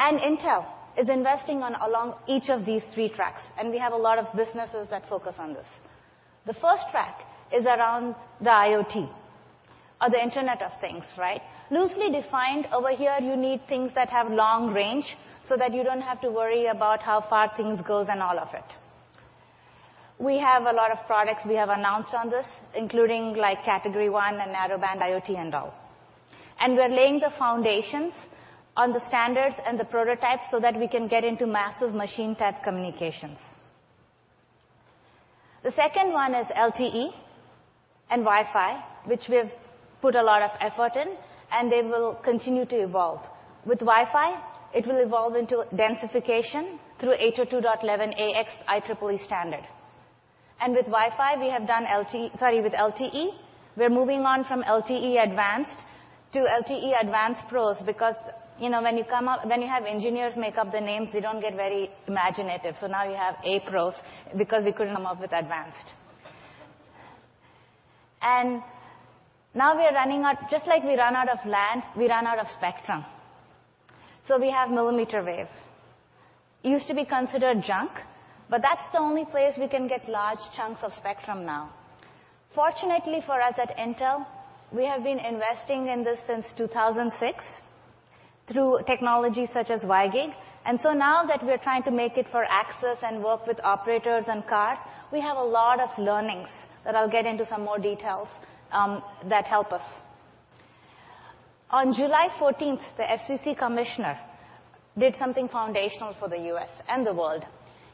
F: Intel is investing along each of these three tracks, and we have a lot of businesses that focus on this. The first track is around the IoT or the Internet of Things, right? Loosely defined over here, you need things that have long range so that you don't have to worry about how far things goes and all of it. We have a lot of products we have announced on this, including category 1 and Narrowband IoT and all. We're laying the foundations on the standards and the prototypes so that we can get into massive machine-type communications. The second one is LTE and Wi-Fi, which we have put a lot of effort in, and they will continue to evolve. With Wi-Fi, it will evolve into densification through 802.11ax IEEE standard. With LTE, we're moving on from LTE Advanced to LTE-Advanced Pro, because when you have engineers make up the names, they don't get very imaginative. Now you have A-Pro because we couldn't come up with Advanced. Now just like we ran out of land, we ran out of spectrum. We have millimeter wave. It used to be considered junk, but that's the only place we can get large chunks of spectrum now. Fortunately for us at Intel, we have been investing in this since 2006 through technology such as WiGig. Now that we're trying to make it for access and work with operators and cars, we have a lot of learnings that I'll get into some more details, that help us. On July 14th, the FCC commissioner did something foundational for the U.S. and the world.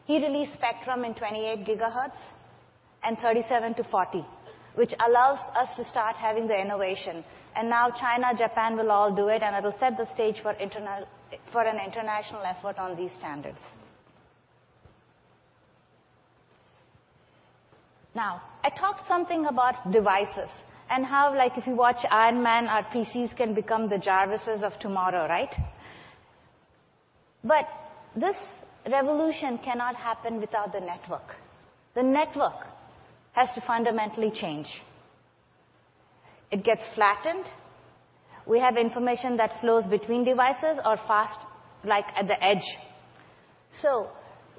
F: He released spectrum in 28 gigahertz and 37-40, which allows us to start having the innovation. China, Japan will all do it, and it'll set the stage for an international effort on these standards. I talked something about devices and how if you watch "Iron Man," our PCs can become the JARVISes of tomorrow, right? This revolution cannot happen without the network. The network has to fundamentally change. It gets flattened. We have information that flows between devices or fast, like at the edge.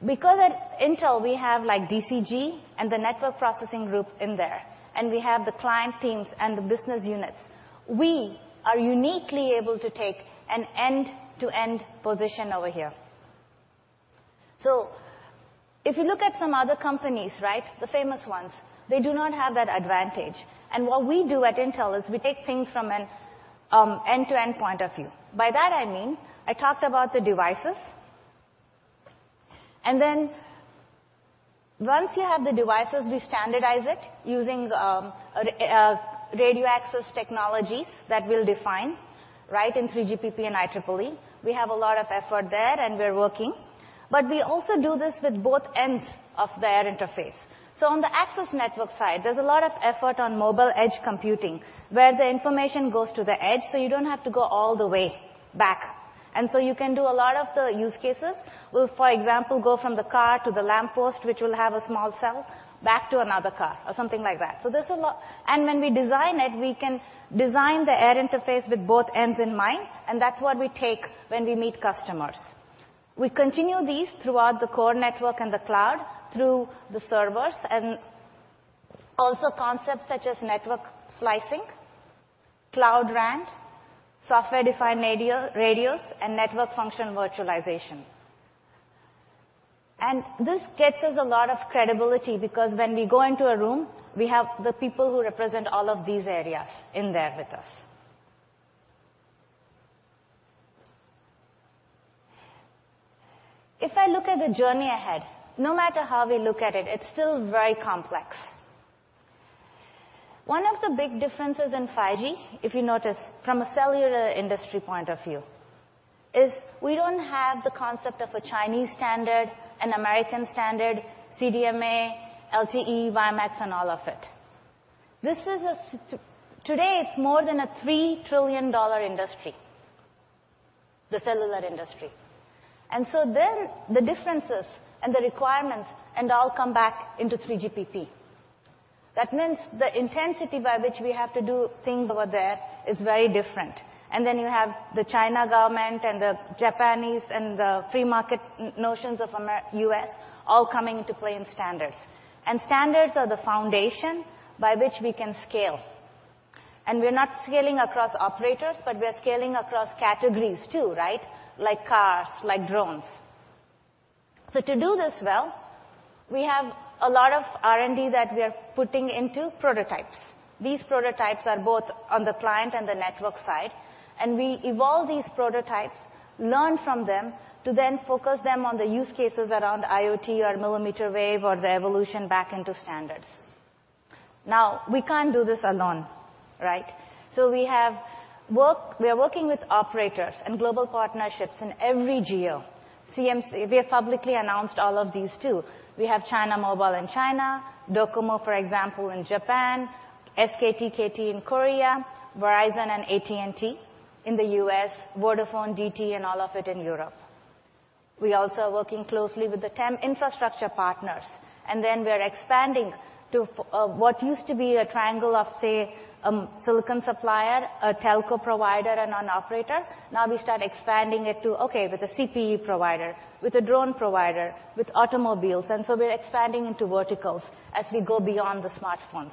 F: Because at Intel we have DCG and the network processing group in there, and we have the client teams and the business units, we are uniquely able to take an end-to-end position over here. If you look at some other companies, the famous ones, they do not have that advantage. What we do at Intel is we take things from an end-to-end point of view. By that I mean, I talked about the devices. Then once you have the devices, we standardize it using radio access technology that we'll define in 3GPP and IEEE. We have a lot of effort there, and we're working. We also do this with both ends of their interface. On the access network side, there's a lot of effort on mobile edge computing, where the information goes to the edge, so you don't have to go all the way back. You can do a lot of the use cases. We'll, for example, go from the car to the lamppost, which will have a small cell, back to another car or something like that. There's a lot. When we design it, we can design the air interface with both ends in mind, and that's what we take when we meet customers. We continue these throughout the core network and the cloud, through the servers, and also concepts such as network slicing, Cloud-RAN, software-defined radios, and network function virtualization. This gets us a lot of credibility because when we go into a room, we have the people who represent all of these areas in there with us. If I look at the journey ahead, no matter how we look at it's still very complex. One of the big differences in 5G, if you notice, from a cellular industry point of view, is we don't have the concept of a Chinese standard, an American standard, CDMA, LTE, WiMAX, and all of it. Today, it's more than a $3 trillion industry, the cellular industry. There, the differences and the requirements and all come back into 3GPP. That means the intensity by which we have to do things over there is very different. You have the China government and the Japanese and the free market notions of U.S. all coming into play in standards. Standards are the foundation by which we can scale. We're not scaling across operators, but we're scaling across categories too. Like cars, like drones. To do this well, we have a lot of R&D that we are putting into prototypes. These prototypes are both on the client and the network side, and we evolve these prototypes, learn from them to then focus them on the use cases around IoT or millimeter wave or the evolution back into standards. Now, we can't do this alone. We are working with operators and global partnerships in every geo. We have publicly announced all of these, too. We have China Mobile in China, DOCOMO, for example, in Japan, SKT, KT in Korea, Verizon and AT&T in the U.S., Vodafone, DT, and all of it in Europe. We also are working closely with the TEM infrastructure partners, and we're expanding to what used to be a triangle of, say, a silicon supplier, a telco provider, and an operator. We start expanding it to, okay, with a CPU provider, with a drone provider, with automobiles, we're expanding into verticals as we go beyond the smartphones.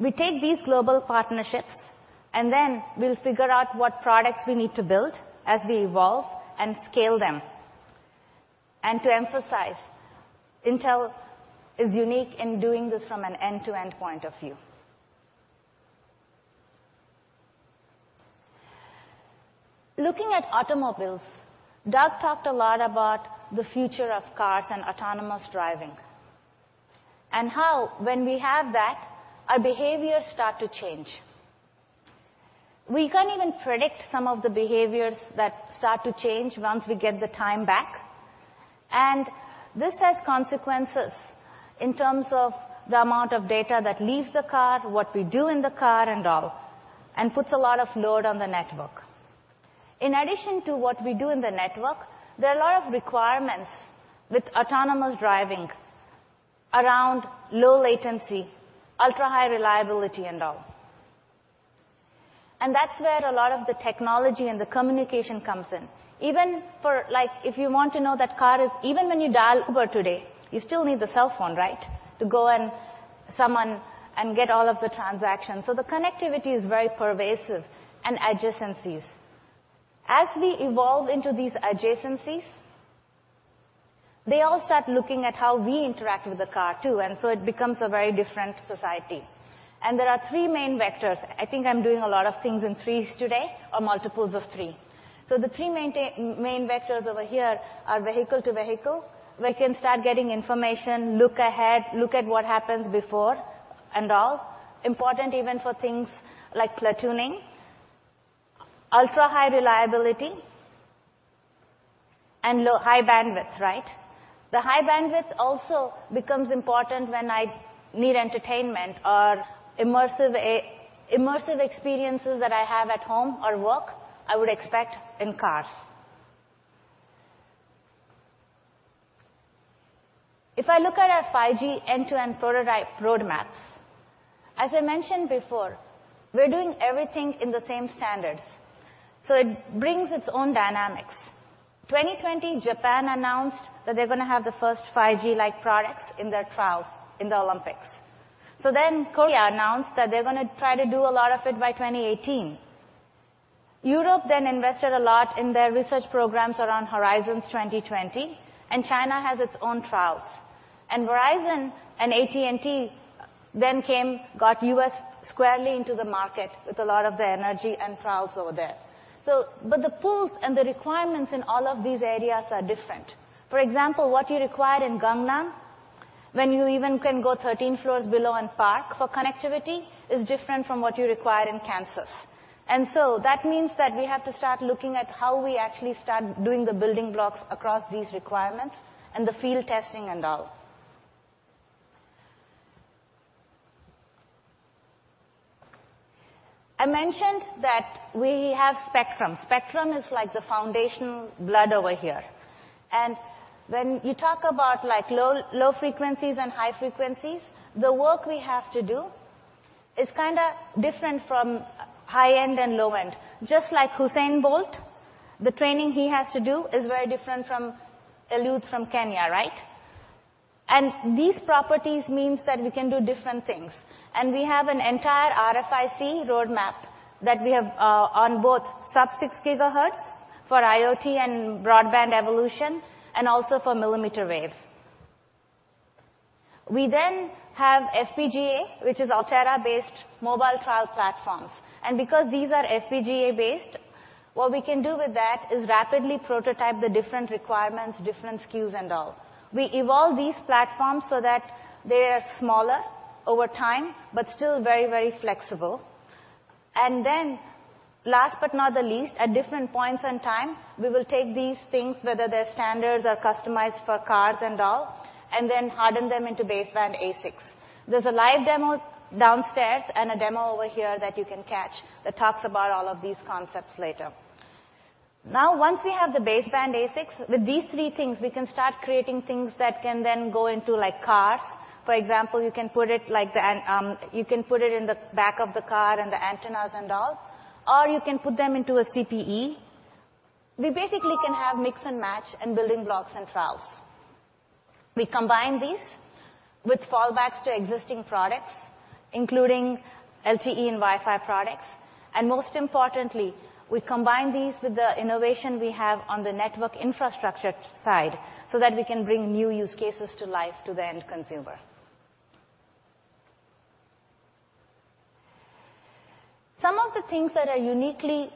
F: We take these global partnerships, we'll figure out what products we need to build as we evolve and scale them. To emphasize, Intel is unique in doing this from an end-to-end point of view. Looking at automobiles, Doug talked a lot about the future of cars and autonomous driving, how when we have that, our behaviors start to change. We can't even predict some of the behaviors that start to change once we get the time back. This has consequences in terms of the amount of data that leaves the car, what we do in the car and all, puts a lot of load on the network. In addition to what we do in the network, there are a lot of requirements with autonomous driving around low latency, ultra-high reliability and all. That's where a lot of the technology and the communication comes in. Even when you dial Uber today, you still need the cell phone, right? To go and summon and get all of the transactions. The connectivity is very pervasive and adjacencies. As we evolve into these adjacencies, they all start looking at how we interact with the car, too, it becomes a very different society. There are three main vectors. I think I'm doing a lot of things in threes today or multiples of three. The three main vectors over here are vehicle to vehicle. We can start getting information, look ahead, look at what happens before and all. Important even for things like platooning, ultra-high reliability and low high bandwidth, right? The high bandwidth also becomes important when I need entertainment or immersive experiences that I have at home or work, I would expect in cars. If I look at our 5G end-to-end prototype roadmaps, as I mentioned before, we're doing everything in the same standards. It brings its own dynamics. 2020, Japan announced that they're going to have the first 5G like product in their trials in the Olympics. Korea announced that they're going to try to do a lot of it by 2018. Europe invested a lot in their research programs around Horizon 2020, China has its own trials. Verizon and AT&T came, got U.S. squarely into the market with a lot of their energy and trials over there. The pools and the requirements in all of these areas are different. For example, what you require in Gangnam, when you even can go 13 floors below and park for connectivity, is different from what you require in Kansas. That means that we have to start looking at how we actually start doing the building blocks across these requirements and the field testing and all. I mentioned that we have spectrum. Spectrum is like the foundational blood over here. When you talk about low frequencies and high frequencies, the work we have to do is different from high-end and low-end. Just like Usain Bolt, the training he has to do is very different from Eliud from Kenya, right? These properties means that we can do different things. We have an entire RFIC roadmap that we have on both sub-6 gigahertz for IoT and broadband evolution, and also for millimeter wave. We then have FPGA, which is Altera-based mobile trial platforms. Because these are FPGA based, what we can do with that is rapidly prototype the different requirements, different SKUs and all. We evolve these platforms so that they are smaller over time, but still very flexible. Last but not the least, at different points in time, we will take these things, whether they're standards or customized for cars and all, and then harden them into baseband ASICs. There's a live demo downstairs and a demo over here that you can catch that talks about all of these concepts later. Once we have the baseband ASICs, with these three things, we can start creating things that can then go into cars. For example, you can put it in the back of the car and the antennas and all, or you can put them into a CPE. We basically can have mix and match and building blocks and trials. We combine these with fallbacks to existing products, including LTE and Wi-Fi products. Most importantly, we combine these with the innovation we have on the network infrastructure side so that we can bring new use cases to life to the end consumer. Some of the things that are uniquely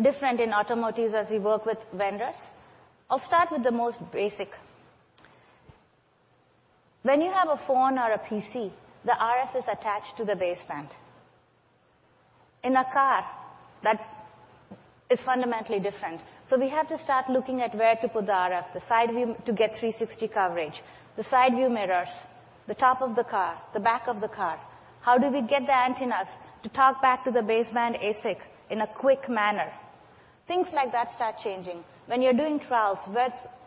F: different in automotive as we work with vendors, I'll start with the most basic. When you have a phone or a PC, the RF is attached to the baseband. In a car, that is fundamentally different. We have to start looking at where to put the RF, to get 360 coverage. The side view mirrors, the top of the car, the back of the car. How do we get the antennas to talk back to the baseband ASIC in a quick manner? Things like that start changing. When you're doing trials,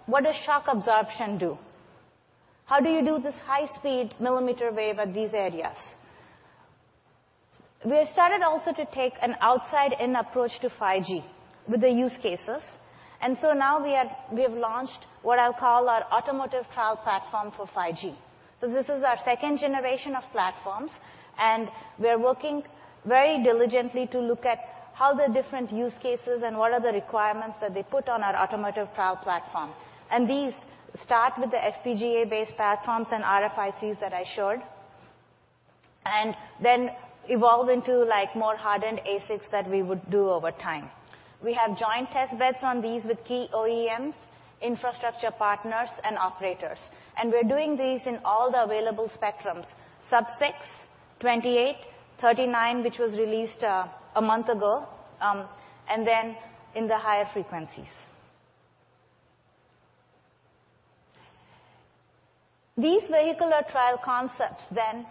F: what does shock absorption do? How do you do this high speed millimeter wave at these areas? We have started also to take an outside-in approach to 5G with the use cases. Now we have launched what I'll call our automotive trial platform for 5G. This is our second generation of platforms, and we're working very diligently to look at how the different use cases and what are the requirements that they put on our automotive trial platform. These start with the FPGA-based platforms and RFICs that I showed, and then evolve into more hardened ASICs that we would do over time. We have joint testbeds on these with key OEMs, infrastructure partners, and operators. We're doing these in all the available spectrums, sub-6, 28, 39, which was released a month ago, and then in the higher frequencies. These vehicular trial concepts then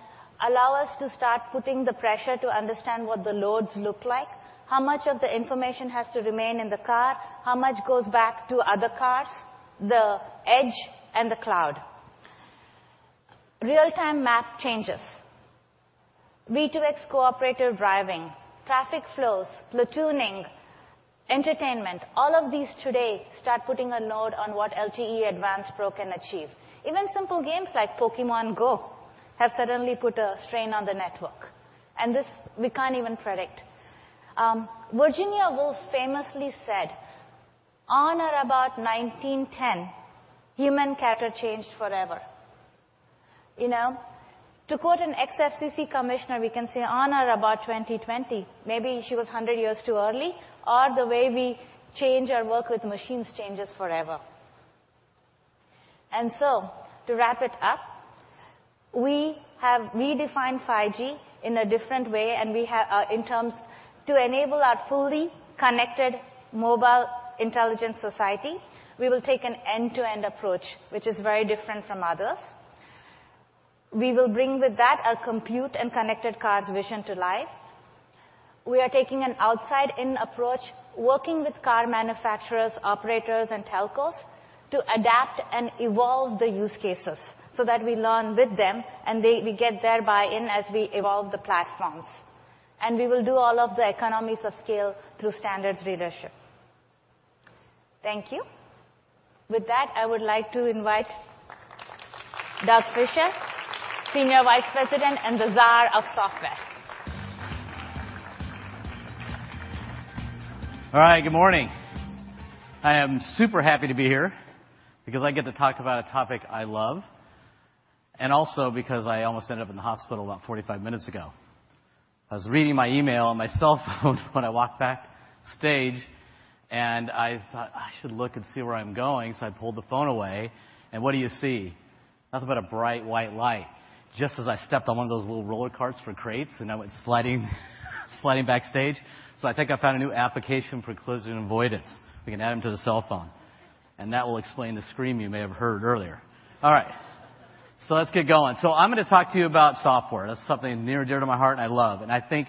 F: allow us to start putting the pressure to understand what the loads look like, how much of the information has to remain in the car, how much goes back to other cars, the edge, and the cloud. Real-time map changes. V2X cooperative driving, traffic flows, platooning, entertainment, all of these today start putting a load on what LTE Advanced Pro can achieve. Even simple games like Pokémon GO have suddenly put a strain on the network, and this we can't even predict. Virginia Woolf famously said, "On or about 1910, human character changed forever." To quote an ex-FCC commissioner, we can say, on or about 2020, maybe she was 100 years too early, or the way we change our work with machines changes forever. To wrap it up, we have redefined 5G in a different way, in terms to enable our fully connected mobile intelligent society, we will take an end-to-end approach, which is very different from others. We will bring with that our compute and connected cars vision to life. We are taking an outside-in approach, working with car manufacturers, operators, and telcos to adapt and evolve the use cases so that we learn with them, we get thereby in as we evolve the platforms. We will do all of the economies of scale through standards leadership. Thank you. With that, I would like to invite Doug Fisher, Senior Vice President and the Czar of Software.
G: All right, good morning. I am super happy to be here because I get to talk about a topic I love, and also because I almost ended up in the hospital about 45 minutes ago. I was reading my email on my cell phone when I walked backstage, and I thought, "I should look and see where I'm going." I pulled the phone away, and what do you see? Nothing but a bright white light, just as I stepped on one of those little roller carts for crates, and I went sliding backstage. I think I found a new application for collision avoidance. We can add them to the cell phone. That will explain the scream you may have heard earlier. All right. Let's get going. I'm going to talk to you about software. That's something near and dear to my heart, and I love. I think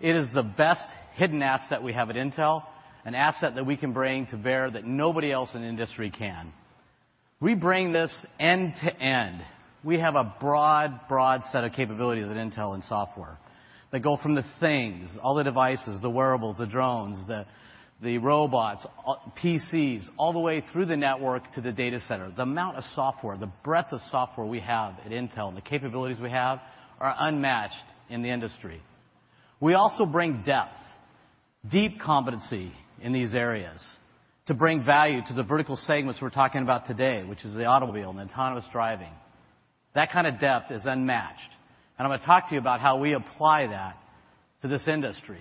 G: it is the best hidden asset we have at Intel, an asset that we can bring to bear that nobody else in the industry can. We bring this end-to-end. We have a broad set of capabilities at Intel in software that go from the things, all the devices, the wearables, the drones, the robots, PCs, all the way through the network to the data center. The amount of software, the breadth of software we have at Intel, and the capabilities we have are unmatched in the industry. We also bring depth, deep competency in these areas to bring value to the vertical segments we're talking about today, which is the automobile and autonomous driving. That kind of depth is unmatched, and I'm going to talk to you about how we apply that to this industry.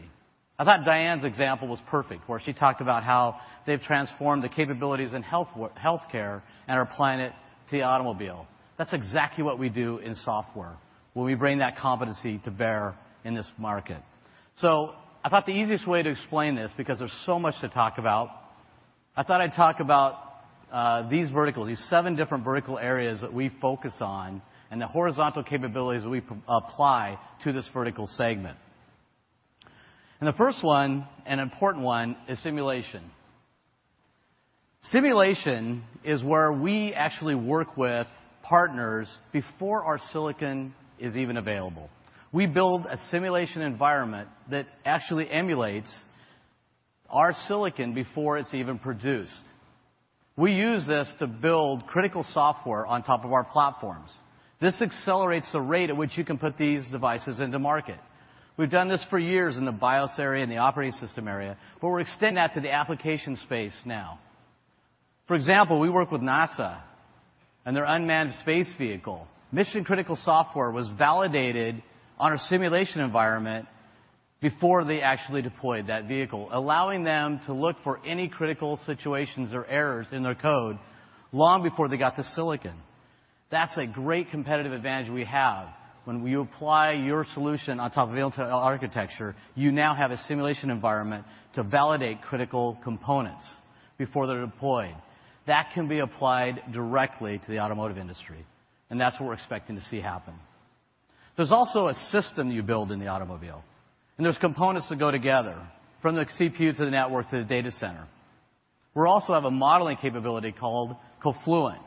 G: I thought Diane's example was perfect, where she talked about how they've transformed the capabilities in healthcare and are applying it to the automobile. That's exactly what we do in software, where we bring that competency to bear in this market. I thought the easiest way to explain this, because there's so much to talk about, I thought I'd talk about these verticals, these seven different vertical areas that we focus on and the horizontal capabilities that we apply to this vertical segment. The first one, and important one, is simulation. Simulation is where we actually work with partners before our silicon is even available. We build a simulation environment that actually emulates our silicon before it's even produced. We use this to build critical software on top of our platforms. This accelerates the rate at which you can put these devices into market. We've done this for years in the BIOS area and the operating system area, but we're extending that to the application space now. For example, we work with NASA and their unmanned space vehicle. Mission critical software was validated on a simulation environment before they actually deployed that vehicle, allowing them to look for any critical situations or errors in their code long before they got to silicon. That's a great competitive advantage we have. When you apply your solution on top of Intel architecture, you now have a simulation environment to validate critical components before they're deployed. That can be applied directly to the automotive industry, and that's what we're expecting to see happen. There's also a system you build in the automobile, and there's components that go together, from the CPU to the network to the data center. We also have a modeling capability called CoFluent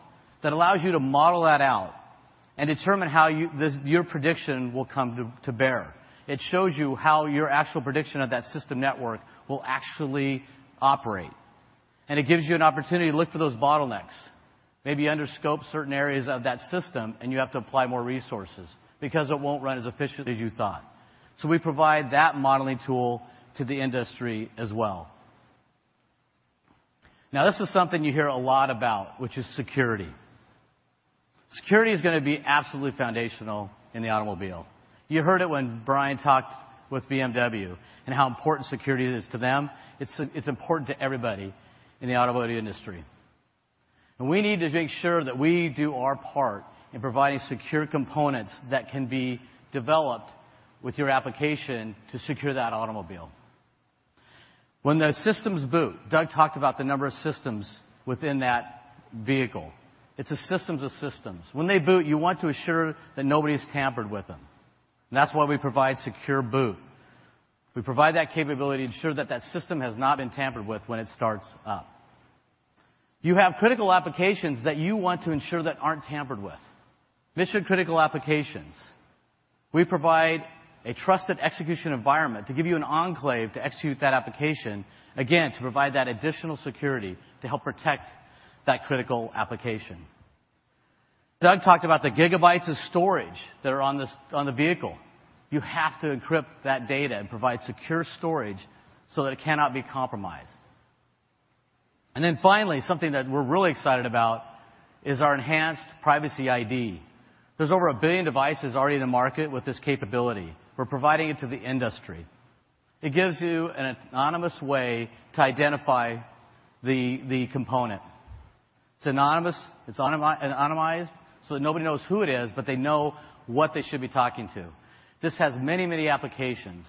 G: that allows you to model that out and determine how your prediction will come to bear. It shows you how your actual prediction of that system network will actually operate, and it gives you an opportunity to look for those bottlenecks. Maybe you under-scoped certain areas of that system, and you have to apply more resources because it won't run as efficiently as you thought. We provide that modeling tool to the industry as well. This is something you hear a lot about, which is security. Security is going to be absolutely foundational in the automobile. You heard it when Brian talked with BMW and how important security is to them. It's important to everybody in the automotive industry. We need to make sure that we do our part in providing secure components that can be developed with your application to secure that automobile. When the systems boot, Doug talked about the number of systems within that vehicle. It's a system of systems. When they boot, you want to assure that nobody's tampered with them, and that's why we provide secure boot. We provide that capability to ensure that that system has not been tampered with when it starts up. You have critical applications that you want to ensure that aren't tampered with. Mission-critical applications. We provide a trusted execution environment to give you an enclave to execute that application, again, to provide that additional security to help protect that critical application. Doug talked about the gigabytes of storage that are on the vehicle. You have to encrypt that data and provide secure storage so that it cannot be compromised. Finally, something that we're really excited about is our Enhanced Privacy ID. There's over 1 billion devices already in the market with this capability. We're providing it to the industry. It gives you an anonymous way to identify the component. It's anonymized so that nobody knows who it is, but they know what they should be talking to. This has many applications.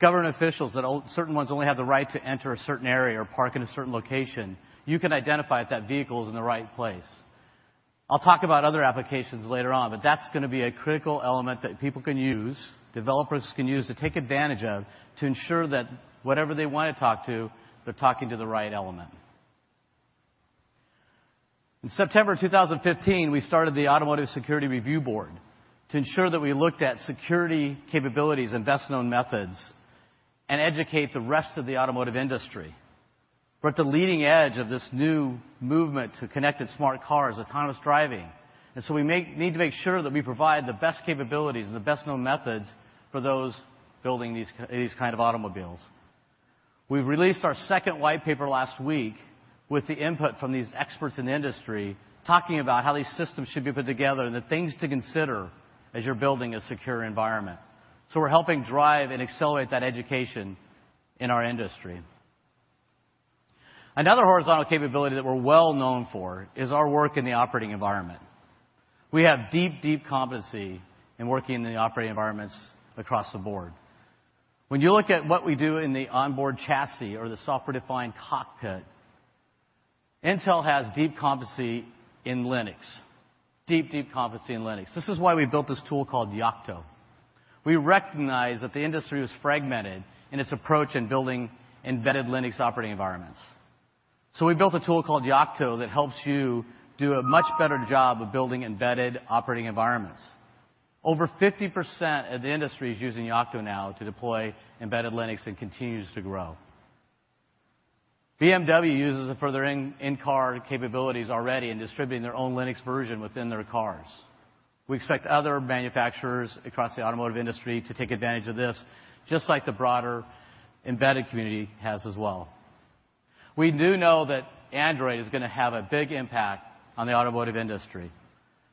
G: Government officials, certain ones only have the right to enter a certain area or park in a certain location. You can identify if that vehicle is in the right place. I'll talk about other applications later on, that's going to be a critical element that people can use, developers can use to take advantage of to ensure that whatever they want to talk to, they're talking to the right element. In September 2015, we started the Automotive Security Review Board to ensure that we looked at security capabilities and best-known methods and educate the rest of the automotive industry. We're at the leading edge of this new movement to connected smart cars, autonomous driving, we need to make sure that we provide the best capabilities and the best-known methods for those building these kind of automobiles. We released our second white paper last week with the input from these experts in the industry, talking about how these systems should be put together and the things to consider as you're building a secure environment. We're helping drive and accelerate that education in our industry. Another horizontal capability that we're well-known for is our work in the operating environment. We have deep competency in working in the operating environments across the board. When you look at what we do in the onboard chassis or the software-defined cockpit, Intel has deep competency in Linux. Deep competency in Linux. This is why we built this tool called Yocto. We recognize that the industry was fragmented in its approach in building embedded Linux operating environments. We built a tool called Yocto that helps you do a much better job of building embedded operating environments. Over 50% of the industry is using Yocto now to deploy embedded Linux and continues to grow. BMW uses it for their in-car capabilities already in distributing their own Linux version within their cars. We expect other manufacturers across the automotive industry to take advantage of this, just like the broader embedded community has as well. We do know that Android is going to have a big impact on the automotive industry.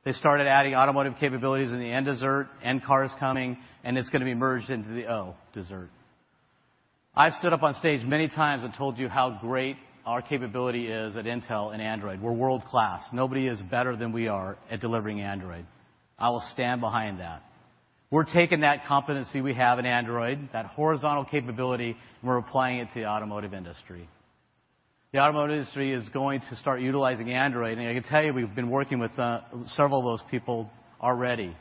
G: They started adding automotive capabilities in the N dessert, N car is coming, it's going to be merged into the O dessert. I've stood up on stage many times and told you how great our capability is at Intel and Android. We're world-class. Nobody is better than we are at delivering Android. I will stand behind that. We're taking that competency we have in Android, that horizontal capability, we're applying it to the automotive industry. The automotive industry is going to start utilizing Android, I can tell you we've been working with several of those people already.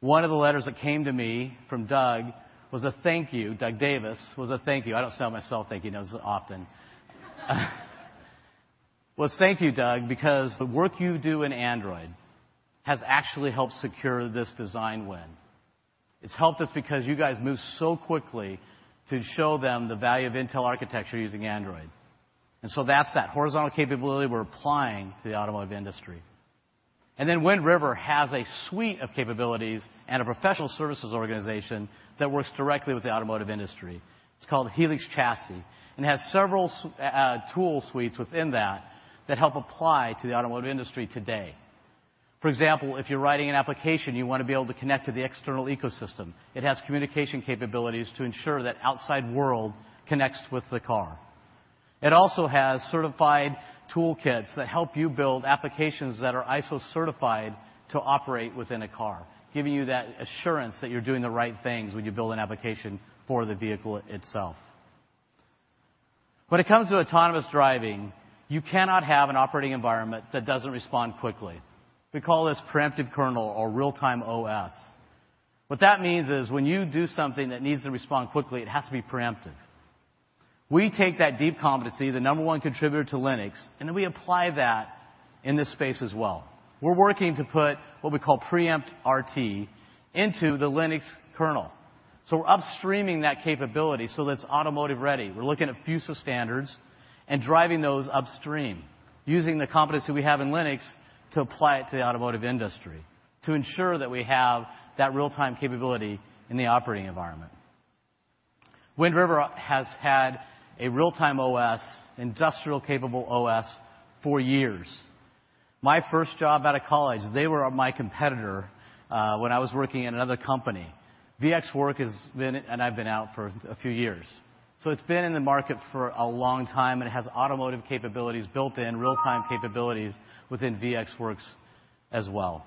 G: One of the letters that came to me from Doug was a thank you, Doug Davis, was a thank you. I don't send myself thank you notes often. Well, thank you, Doug, because the work you do in Android has actually helped secure this design win. It's helped us because you guys move so quickly to show them the value of Intel architecture using Android. That's that horizontal capability we're applying to the automotive industry. Wind River has a suite of capabilities and a professional services organization that works directly with the automotive industry. It's called Helix Chassis, and it has several tool suites within that that help apply to the automotive industry today. For example, if you're writing an application, you want to be able to connect to the external ecosystem. It has communication capabilities to ensure that outside world connects with the car. It also has certified toolkits that help you build applications that are ISO certified to operate within a car, giving you that assurance that you're doing the right things when you build an application for the vehicle itself. When it comes to autonomous driving, you cannot have an operating environment that doesn't respond quickly. We call this preempted kernel or real-time OS. What that means is when you do something that needs to respond quickly, it has to be preemptive. We take that deep competency, the number one contributor to Linux, we apply that in this space as well. We're working to put what we call PREEMPT_RT into the Linux kernel. We're upstreaming that capability so that it's automotive ready. We're looking at FuSa standards and driving those upstream using the competency we have in Linux to apply it to the automotive industry to ensure that we have that real-time capability in the operating environment. Wind River has had a real-time OS, industrial capable OS for years. My first job out of college, they were my competitor when I was working at another company. I've been out for a few years. It's been in the market for a long time, and it has automotive capabilities built in, real-time capabilities within VxWorks as well.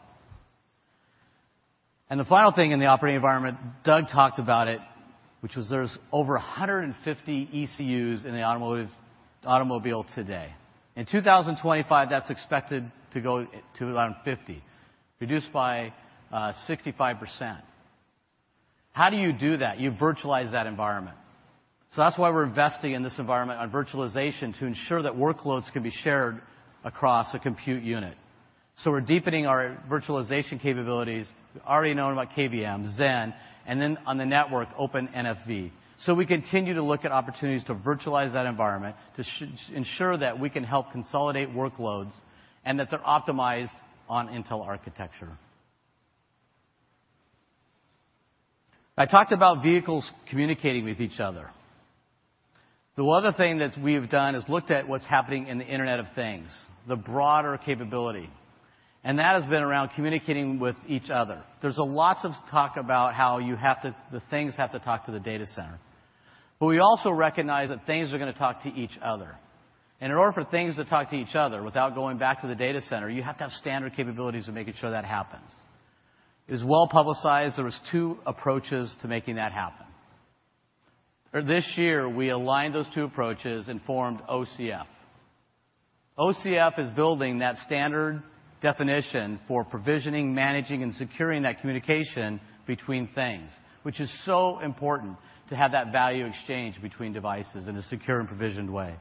G: The final thing in the operating environment, Doug talked about it, which was there's over 150 ECUs in the automobile today. In 2025, that's expected to go to around 50, reduced by 65%. How do you do that? You virtualize that environment. That's why we're investing in this environment on virtualization to ensure that workloads can be shared across a compute unit. We're deepening our virtualization capabilities. We already know about KVM, Xen, and then on the network, OPNFV. We continue to look at opportunities to virtualize that environment to ensure that we can help consolidate workloads and that they're optimized on Intel architecture. I talked about vehicles communicating with each other. The other thing that we've done is looked at what's happening in the Internet of Things, the broader capability, and that has been around communicating with each other. There's lots of talk about how the things have to talk to the data center, but we also recognize that things are going to talk to each other. In order for things to talk to each other without going back to the data center, you have to have standard capabilities of making sure that happens. It was well-publicized there was two approaches to making that happen. This year, we aligned those two approaches and formed OCF. OCF is building that standard definition for provisioning, managing, and securing that communication between things, which is so important to have that value exchange between devices in a secure and provisioned way.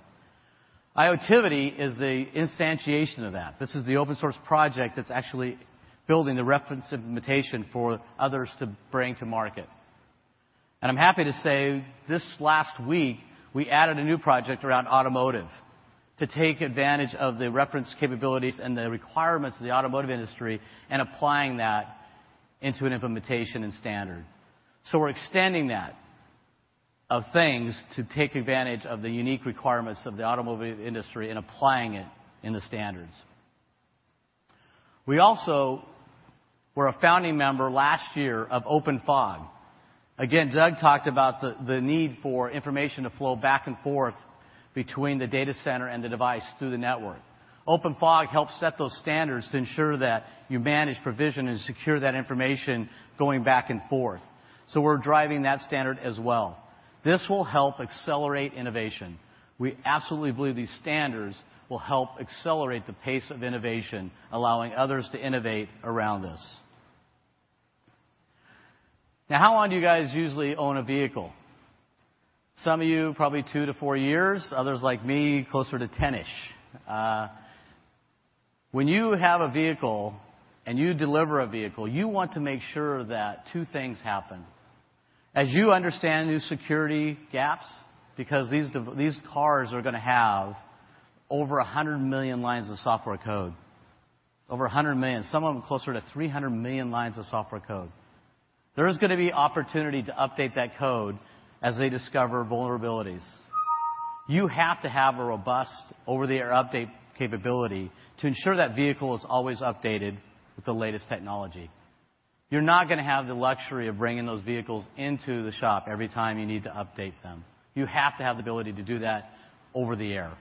G: IoTivity is the instantiation of that. This is the open source project that's actually building the reference implementation for others to bring to market. I'm happy to say this last week, we added a new project around automotive to take advantage of the reference capabilities and the requirements of the automotive industry and applying that into an implementation and standard. We're extending that of things to take advantage of the unique requirements of the automotive industry and applying it in the standards. We also were a founding member last year of OpenFog. Doug talked about the need for information to flow back and forth between the data center and the device through the network. OpenFog helps set those standards to ensure that you manage, provision, and secure that information going back and forth. We're driving that standard as well. This will help accelerate innovation. We absolutely believe these standards will help accelerate the pace of innovation, allowing others to innovate around this. Now, how long do you guys usually own a vehicle? Some of you, probably 2 to 4 years, others like me, closer to 10-ish. When you have a vehicle and you deliver a vehicle, you want to make sure that two things happen. As you understand new security gaps, because these cars are going to have over 100 million lines of software code. Over 100 million. Some of them closer to 300 million lines of software code. There is going to be opportunity to update that code as they discover vulnerabilities. You have to have a robust over-the-air update capability to ensure that vehicle is always updated with the latest technology. You're not going to have the luxury of bringing those vehicles into the shop every time you need to update them. You have to have the ability to do that over the air.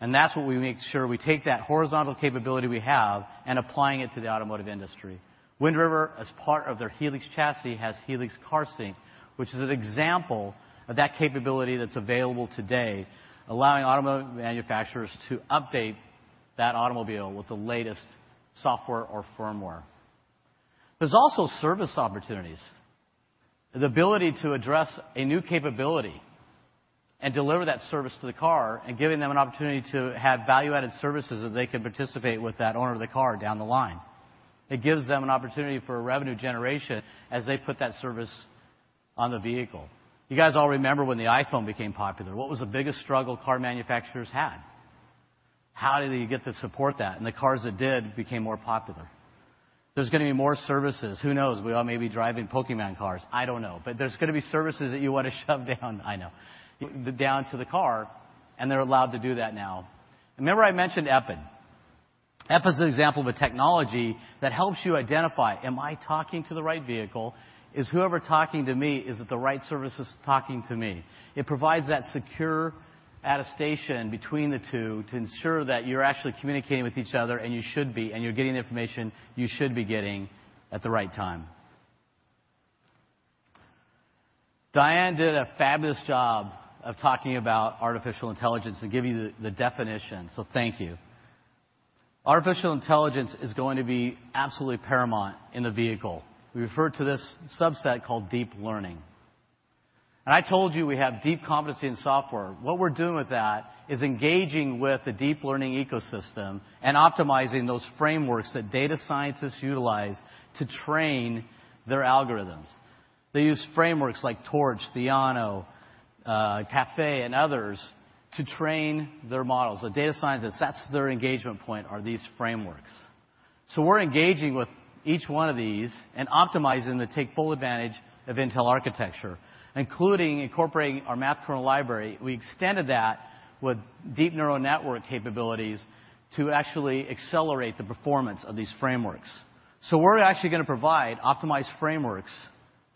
G: That's what we make sure we take that horizontal capability we have and applying it to the automotive industry. Wind River, as part of their Helix Chassis, has Helix CarSync, which is an example of that capability that's available today, allowing automobile manufacturers to update that automobile with the latest software or firmware. There's also service opportunities. The ability to address a new capability and deliver that service to the car and giving them an opportunity to have value-added services that they can participate with that owner of the car down the line. It gives them an opportunity for revenue generation as they put that service on the vehicle. You guys all remember when the iPhone became popular. What was the biggest struggle car manufacturers had? How did you get to support that? The cars that did became more popular. There's going to be more services. Who knows? We all may be driving Pokémon cars. I don't know. There's going to be services that you want to shove down to the car, and they're allowed to do that now. Remember I mentioned EPID. EPID's an example of a technology that helps you identify, am I talking to the right vehicle? Is whoever talking to me, is it the right services talking to me? It provides that secure attestation between the two to ensure that you're actually communicating with each other, and you should be, and you're getting the information you should be getting at the right time. Diane did a fabulous job of talking about artificial intelligence and giving you the definition, so thank you. Artificial intelligence is going to be absolutely paramount in the vehicle. We refer to this subset called deep learning. I told you we have deep competency in software. What we're doing with that is engaging with the deep learning ecosystem and optimizing those frameworks that data scientists utilize to train their algorithms. They use frameworks like Torch, Theano, Caffe, and others to train their models. The data scientists, that's their engagement point are these frameworks. We're engaging with each one of these and optimizing to take full advantage of Intel architecture, including incorporating our Math Kernel Library. We extended that with deep neural network capabilities to actually accelerate the performance of these frameworks. We're actually going to provide optimized frameworks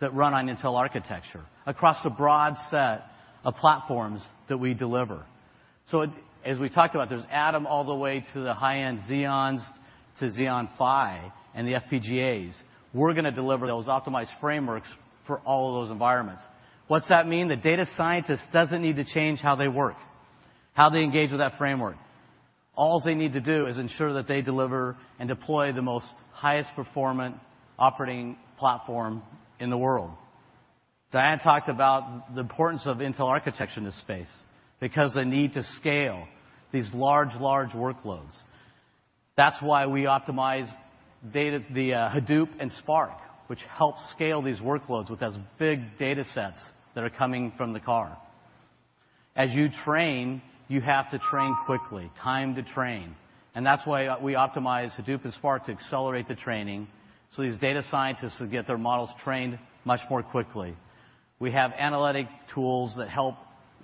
G: that run on Intel architecture across a broad set of platforms that we deliver. As we talked about, there's Atom all the way to the high-end Xeons to Xeon Phi and the FPGAs. We're going to deliver those optimized frameworks for all of those environments. What's that mean? The data scientist doesn't need to change how they work, how they engage with that framework. All they need to do is ensure that they deliver and deploy the most highest performant operating platform in the world. Diane talked about the importance of Intel architecture in this space because the need to scale these large workloads. That's why we optimize the Hadoop and Spark, which helps scale these workloads with those big data sets that are coming from the car. As you train, you have to train quickly, time to train, and that's why we optimize Hadoop and Spark to accelerate the training so these data scientists will get their models trained much more quickly. We have analytic tools that help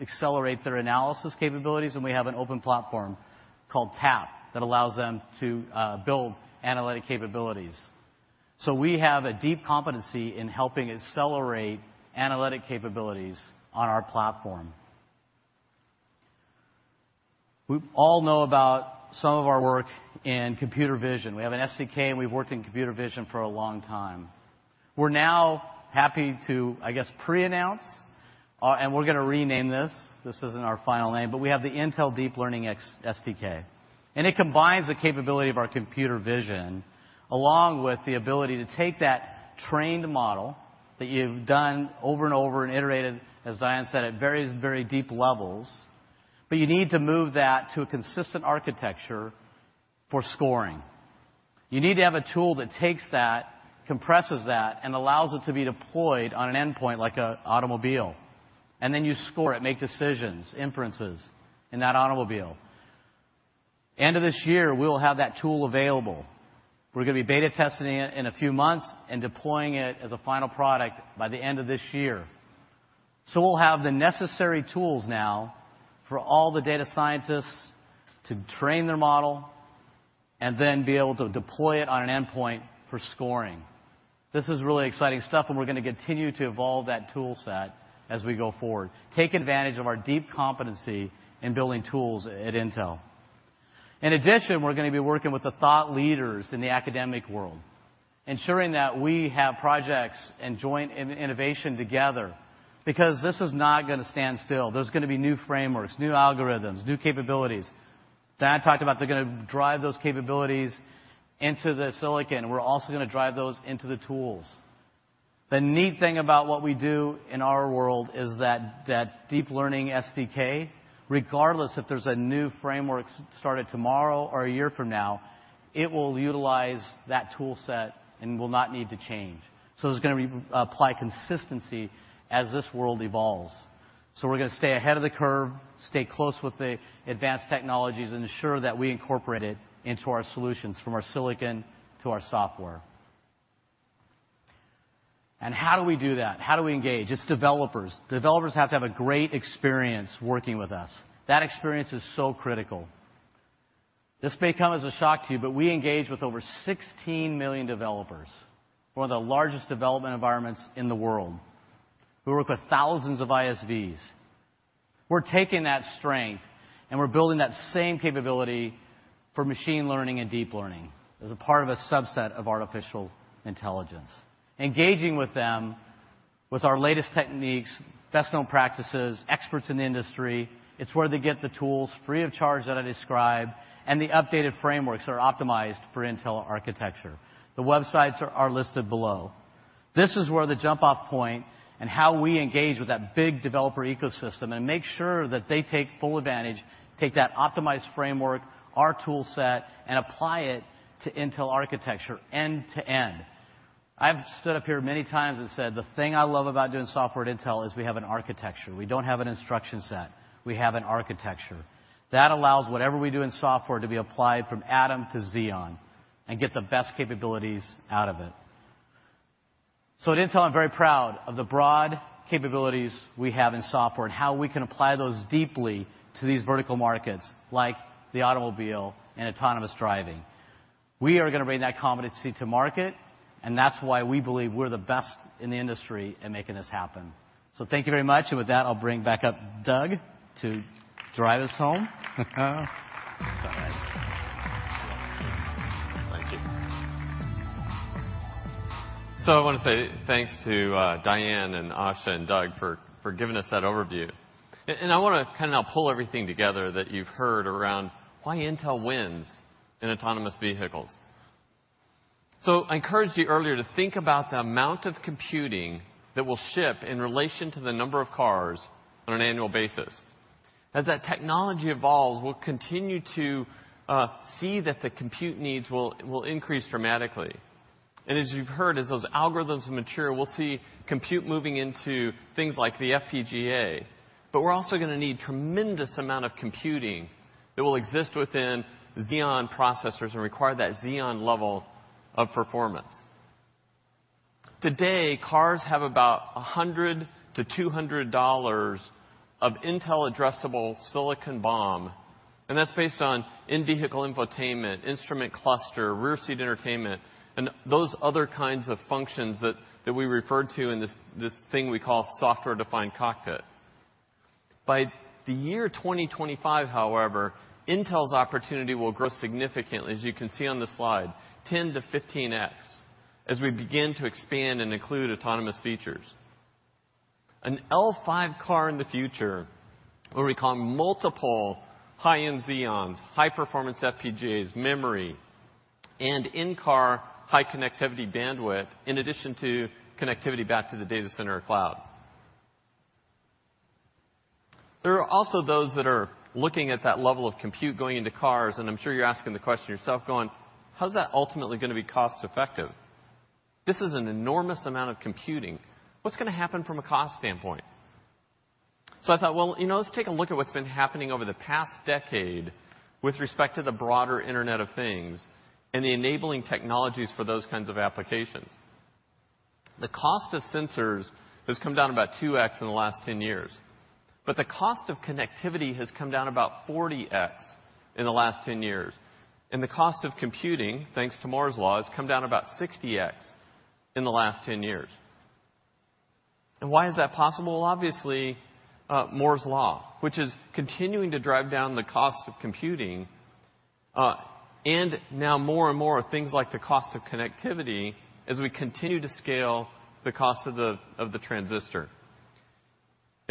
G: accelerate their analysis capabilities, and we have an open platform called TAP that allows them to build analytic capabilities. We have a deep competency in helping accelerate analytic capabilities on our platform. We all know about some of our work in computer vision. We have an SDK, and we've worked in computer vision for a long time. We're now happy to, I guess, preannounce, and we're going to rename this isn't our final name, but we have the Intel Deep Learning SDK. It combines the capability of our computer vision, along with the ability to take that trained model that you've done over and over and iterated, as Diane said, at very deep levels. You need to move that to a consistent architecture for scoring. You need to have a tool that takes that, compresses that, and allows it to be deployed on an endpoint like an automobile. Then you score it, make decisions, inferences in that automobile. End of this year, we will have that tool available. We're going to be beta testing it in a few months and deploying it as a final product by the end of this year. We'll have the necessary tools now for all the data scientists to train their model and then be able to deploy it on an endpoint for scoring. This is really exciting stuff, and we're going to continue to evolve that tool set as we go forward, take advantage of our deep competency in building tools at Intel. In addition, we're going to be working with the thought leaders in the academic world, ensuring that we have projects and joint innovation together because this is not going to stand still. There's going to be new frameworks, new algorithms, new capabilities. Diane talked about they're going to drive those capabilities into the silicon. We're also going to drive those into the tools. The neat thing about what we do in our world is that Deep Learning SDK, regardless if there's a new framework started tomorrow or a year from now, it will utilize that tool set and will not need to change. There's going to be applied consistency as this world evolves. We're going to stay ahead of the curve, stay close with the advanced technologies, and ensure that we incorporate it into our solutions, from our silicon to our software. How do we do that? How do we engage? It's developers. Developers have to have a great experience working with us. That experience is so critical. This may come as a shock to you, but we engage with over 16 million developers, one of the largest development environments in the world, who work with thousands of ISVs. We're taking that strength, we're building that same capability for machine learning and deep learning as a part of a subset of artificial intelligence, engaging with them with our latest techniques, best known practices, experts in the industry. It's where they get the tools free of charge that I described, and the updated frameworks are optimized for Intel architecture. The websites are listed below. This is where the jump-off point and how we engage with that big developer ecosystem and make sure that they take full advantage, take that optimized framework, our tool set, and apply it to Intel architecture end to end. I've stood up here many times and said, "The thing I love about doing software at Intel is we have an architecture. We don't have an instruction set. We have an architecture." That allows whatever we do in software to be applied from Atom to Xeon and get the best capabilities out of it. At Intel, I'm very proud of the broad capabilities we have in software and how we can apply those deeply to these vertical markets, like the automobile and autonomous driving. We are going to bring that competency to market, that's why we believe we're the best in the industry at making this happen. Thank you very much. With that, I'll bring back up Doug to drive us home.
D: I want to say thanks to Diane and Asha and Doug for giving us that overview. I want to now pull everything together that you've heard around why Intel wins in autonomous vehicles. I encouraged you earlier to think about the amount of computing that will ship in relation to the number of cars on an annual basis. As that technology evolves, we'll continue to see that the compute needs will increase dramatically. As you've heard, as those algorithms mature, we'll see compute moving into things like the FPGA. We're also going to need tremendous amount of computing that will exist within Xeon processors and require that Xeon level of performance. Today, cars have about $100-$200 of Intel addressable silicon BOM, and that's based on in-vehicle infotainment, instrument cluster, rear-seat entertainment, and those other kinds of functions that we referred to in this thing we call software-defined cockpit. By the year 2025, however, Intel's opportunity will grow significantly, as you can see on the slide, 10 to 15x, as we begin to expand and include autonomous features. An L5 car in the future will require multiple high-end Xeons, high-performance FPGAs, memory, and in-car high connectivity bandwidth, in addition to connectivity back to the data center cloud. There are also those that are looking at that level of compute going into cars, and I'm sure you're asking the question yourself going, "How's that ultimately going to be cost-effective? This is an enormous amount of computing. What's going to happen from a cost standpoint?" I thought, well, let's take a look at what's been happening over the past decade with respect to the broader Internet of Things and the enabling technologies for those kinds of applications. The cost of sensors has come down about 2x in the last 10 years. The cost of connectivity has come down about 40x in the last 10 years. The cost of computing, thanks to Moore's Law, has come down about 60x in the last 10 years. Why is that possible? Obviously, Moore's Law, which is continuing to drive down the cost of computing, and now more and more are things like the cost of connectivity as we continue to scale the cost of the transistor.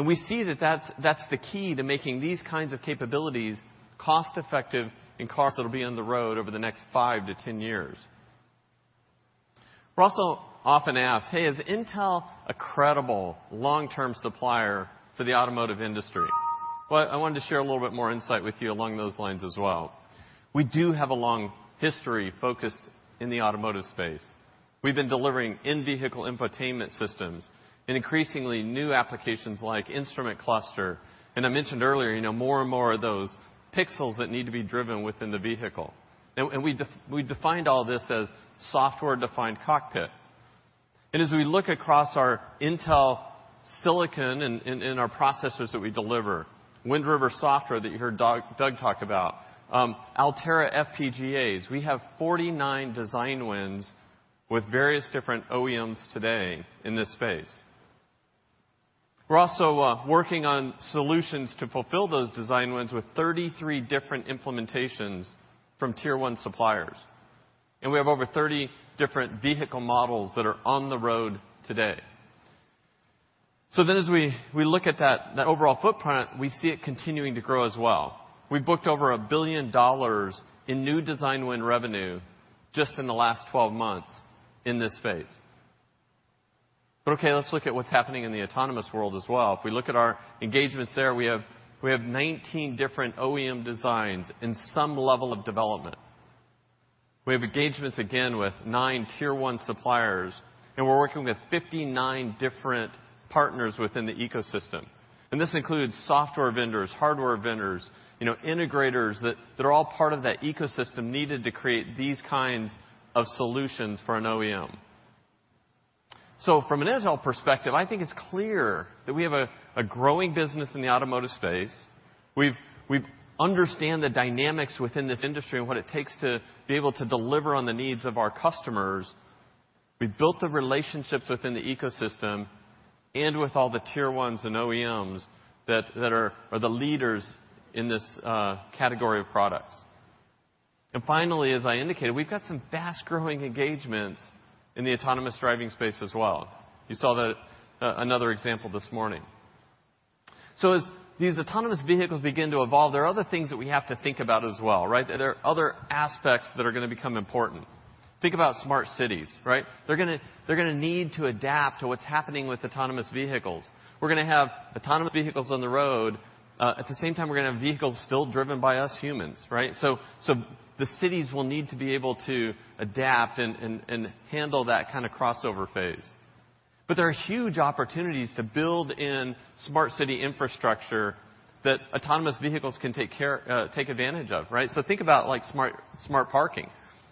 D: We see that that's the key to making these kinds of capabilities cost-effective in cars that'll be on the road over the next five to 10 years. We're also often asked, hey, is Intel a credible long-term supplier to the automotive industry? I wanted to share a little bit more insight with you along those lines as well. We do have a long history focused in the automotive space. We've been delivering in-vehicle infotainment systems and increasingly new applications like instrument cluster. I mentioned earlier, more and more of those pixels that need to be driven within the vehicle. We defined all this as software-defined cockpit. As we look across our Intel silicon and our processors that we deliver, Wind River software that you heard Doug talk about, Altera FPGAs. We have 49 design wins with various different OEMs today in this space. We're also working on solutions to fulfill those design wins with 33 different implementations from Tier 1 suppliers. We have over 30 different vehicle models that are on the road today. As we look at that overall footprint, we see it continuing to grow as well. We booked over $1 billion in new design win revenue just in the last 12 months in this space. Okay, let's look at what's happening in the autonomous world as well. If we look at our engagements there, we have 19 different OEM designs in some level of development. We have engagements, again, with nine Tier 1 suppliers, and we're working with 59 different partners within the ecosystem. This includes software vendors, hardware vendors, integrators that are all part of that ecosystem needed to create these kinds of solutions for an OEM. From an Intel perspective, I think it's clear that we have a growing business in the automotive space. We understand the dynamics within this industry and what it takes to be able to deliver on the needs of our customers. We built the relationships within the ecosystem and with all the Tier 1s and OEMs that are the leaders in this category of products. Finally, as I indicated, we've got some fast-growing engagements in the autonomous driving space as well. You saw another example this morning. As these autonomous vehicles begin to evolve, there are other things that we have to think about as well, right? There are other aspects that are going to become important. Think about smart cities, right? They're going to need to adapt to what's happening with autonomous vehicles. We're going to have autonomous vehicles on the road. At the same time, we're going to have vehicles still driven by us humans, right? The cities will need to be able to adapt and handle that kind of crossover phase. There are huge opportunities to build in smart city infrastructure that autonomous vehicles can take advantage of, right? Think about smart parking.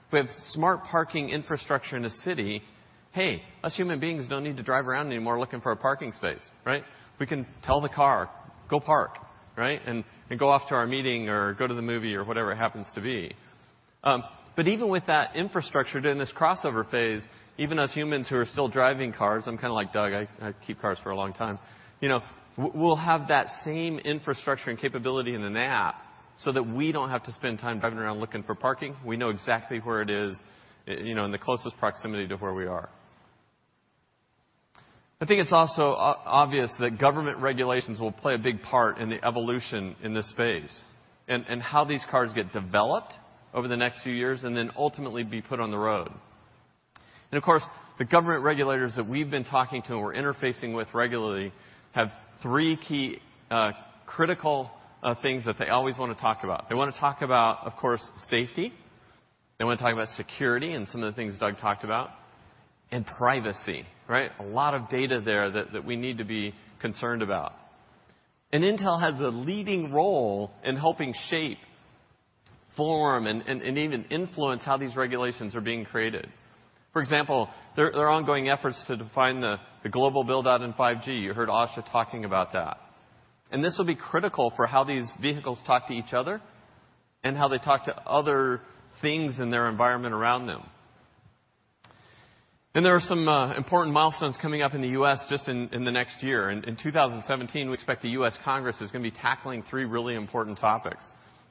D: If we have smart parking infrastructure in a city, hey, us human beings don't need to drive around anymore looking for a parking space, right? We can tell the car, "Go park." Right? Go off to our meeting or go to the movie or whatever it happens to be. Even with that infrastructure during this crossover phase, even us humans who are still driving cars, I'm kind of like Doug, I keep cars for a long time. We'll have that same infrastructure and capability in an app that we don't have to spend time driving around looking for parking. We know exactly where it is in the closest proximity to where we are. I think it's also obvious that government regulations will play a big part in the evolution in this space, and how these cars get developed over the next few years, and then ultimately be put on the road. Of course, the government regulators that we've been talking to and we're interfacing with regularly have three key critical things that they always want to talk about. They want to talk about, of course, safety, they want to talk about security and some of the things Doug talked about, and privacy. Right? A lot of data there that we need to be concerned about. Intel has a leading role in helping shape, form, and even influence how these regulations are being created. For example, there are ongoing efforts to define the global build-out in 5G. You heard Asha talking about that. This will be critical for how these vehicles talk to each other and how they talk to other things in their environment around them. There are some important milestones coming up in the U.S. just in the next year. In 2017, we expect the U.S. Congress is going to be tackling three really important topics.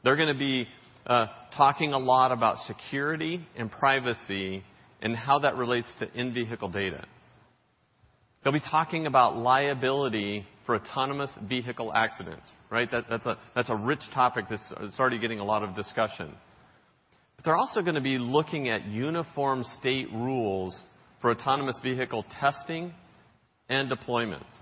D: They'll be talking a lot about security and privacy and how that relates to in-vehicle data. They'll be talking about liability for autonomous vehicle accidents. Right. That's a rich topic that's already getting a lot of discussion. They're also going to be looking at uniform state rules for autonomous vehicle testing and deployments.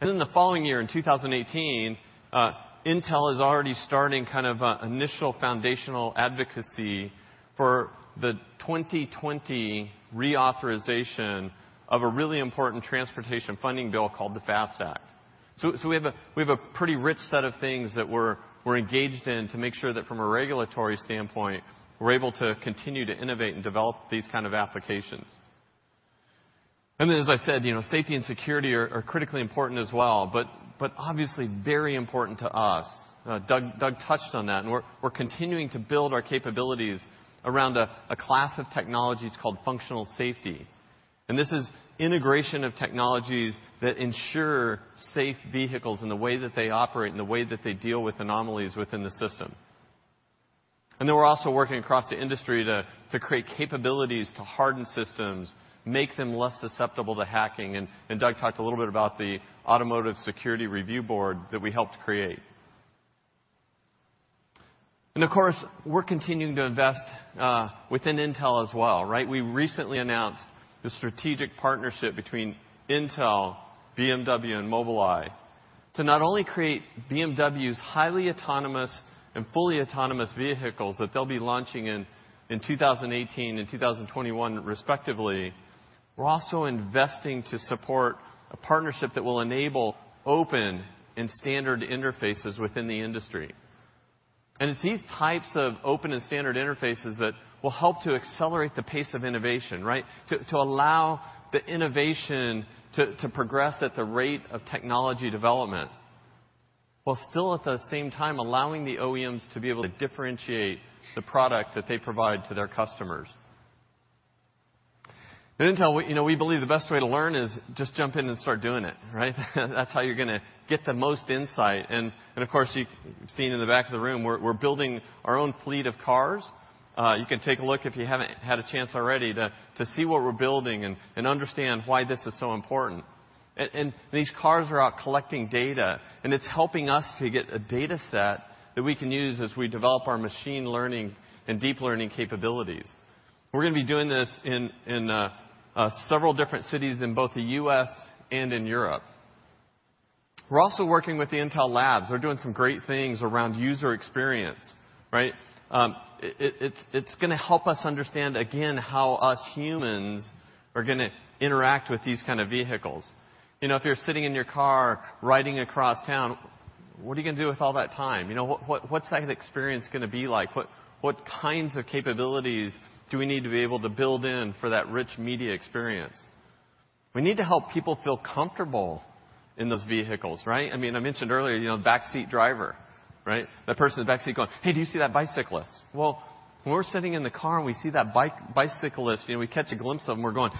D: The following year, in 2018, Intel is already starting kind of initial foundational advocacy for the 2020 reauthorization of a really important transportation funding bill called the FAST Act. We have a pretty rich set of things that we're engaged in to make sure that from a regulatory standpoint, we're able to continue to innovate and develop these kind of applications. As I said, safety and security are critically important as well, but obviously very important to us. Doug touched on that, and we're continuing to build our capabilities around a class of technologies called functional safety. This is integration of technologies that ensure safe vehicles in the way that they operate and the way that they deal with anomalies within the system. We're also working across the industry to create capabilities to harden systems, make them less susceptible to hacking, and Doug talked a little bit about the Automotive Security Review Board that we helped create. Of course, we're continuing to invest within Intel as well. Right. We recently announced the strategic partnership between Intel, BMW, and Mobileye to not only create BMW's highly autonomous and fully autonomous vehicles that they'll be launching in 2018 and 2021, respectively. We're also investing to support a partnership that will enable open and standard interfaces within the industry. It's these types of open and standard interfaces that will help to accelerate the pace of innovation. Right. To allow the innovation to progress at the rate of technology development, while still at the same time allowing the OEMs to be able to differentiate the product that they provide to their customers. At Intel, we believe the best way to learn is just jump in and start doing it. Right. That's how you're going to get the most insight. Of course, you've seen in the back of the room, we're building our own fleet of cars. You can take a look if you haven't had a chance already to see what we're building and understand why this is so important. These cars are out collecting data, and it's helping us to get a data set that we can use as we develop our machine learning and deep learning capabilities. We're going to be doing this in several different cities in both the U.S. and in Europe. We're also working with the Intel Labs. They're doing some great things around user experience. Right. It's going to help us understand, again, how us humans are going to interact with these kind of vehicles. If you're sitting in your car riding across town, what are you going to do with all that time? What's that experience going to be like? What kinds of capabilities do we need to be able to build in for that rich media experience? We need to help people feel comfortable in those vehicles, right? I mentioned earlier, the backseat driver. Right? The person in the backseat going, "Hey, do you see that bicyclist?" Well, when we're sitting in the car and we see that bicyclist, we catch a glimpse of him, we're going,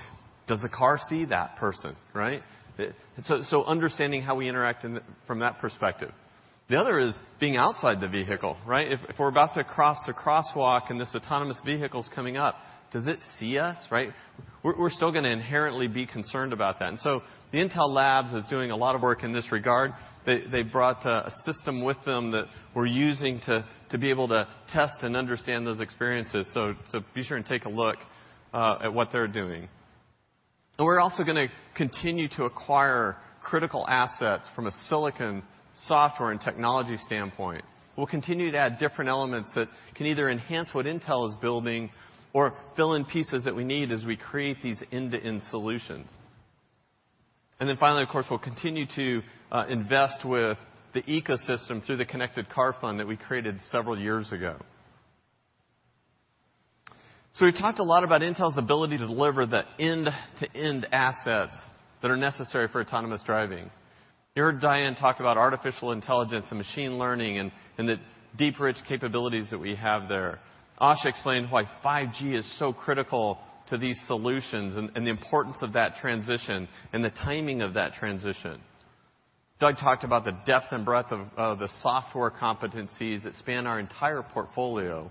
D: "Does the car see that person?" Right? Understanding how we interact from that perspective. The other is being outside the vehicle. Right? If we're about to cross the crosswalk and this autonomous vehicle's coming up, does it see us, right? We're still going to inherently be concerned about that. The Intel Labs is doing a lot of work in this regard. They brought a system with them that we're using to be able to test and understand those experiences. Be sure and take a look at what they're doing. We're also going to continue to acquire critical assets from a silicon, software, and technology standpoint. We'll continue to add different elements that can either enhance what Intel is building or fill in pieces that we need as we create these end-to-end solutions. Finally, of course, we'll continue to invest with the ecosystem through the Connected Car Fund that we created several years ago. We talked a lot about Intel's ability to deliver the end-to-end assets that are necessary for autonomous driving. You heard Diane talk about artificial intelligence and machine learning and that deep, rich capabilities that we have there. Asha explained why 5G is so critical to these solutions and the importance of that transition and the timing of that transition. Doug talked about the depth and breadth of the software competencies that span our entire portfolio.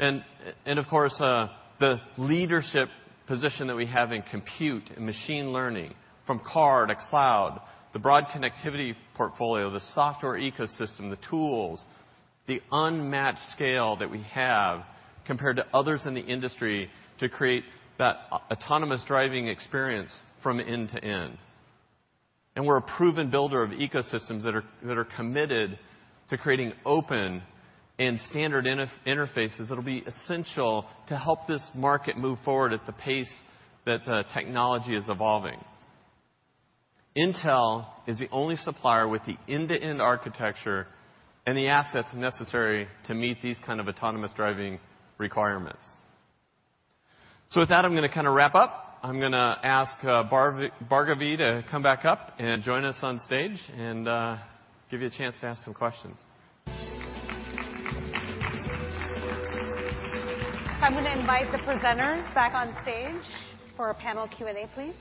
D: Of course, the leadership position that we have in compute and machine learning from car to cloud, the broad connectivity portfolio, the software ecosystem, the tools, the unmatched scale that we have compared to others in the industry to create that autonomous driving experience from end to end. We're a proven builder of ecosystems that are committed to creating open and standard interfaces that'll be essential to help this market move forward at the pace that technology is evolving. Intel is the only supplier with the end-to-end architecture and the assets necessary to meet these kind of autonomous driving requirements. With that, I'm going to wrap up. I'm going to ask Bhargavi to come back up and join us on stage and give you a chance to ask some questions.
B: I'm going to invite the presenters back on stage for a panel Q&A, please.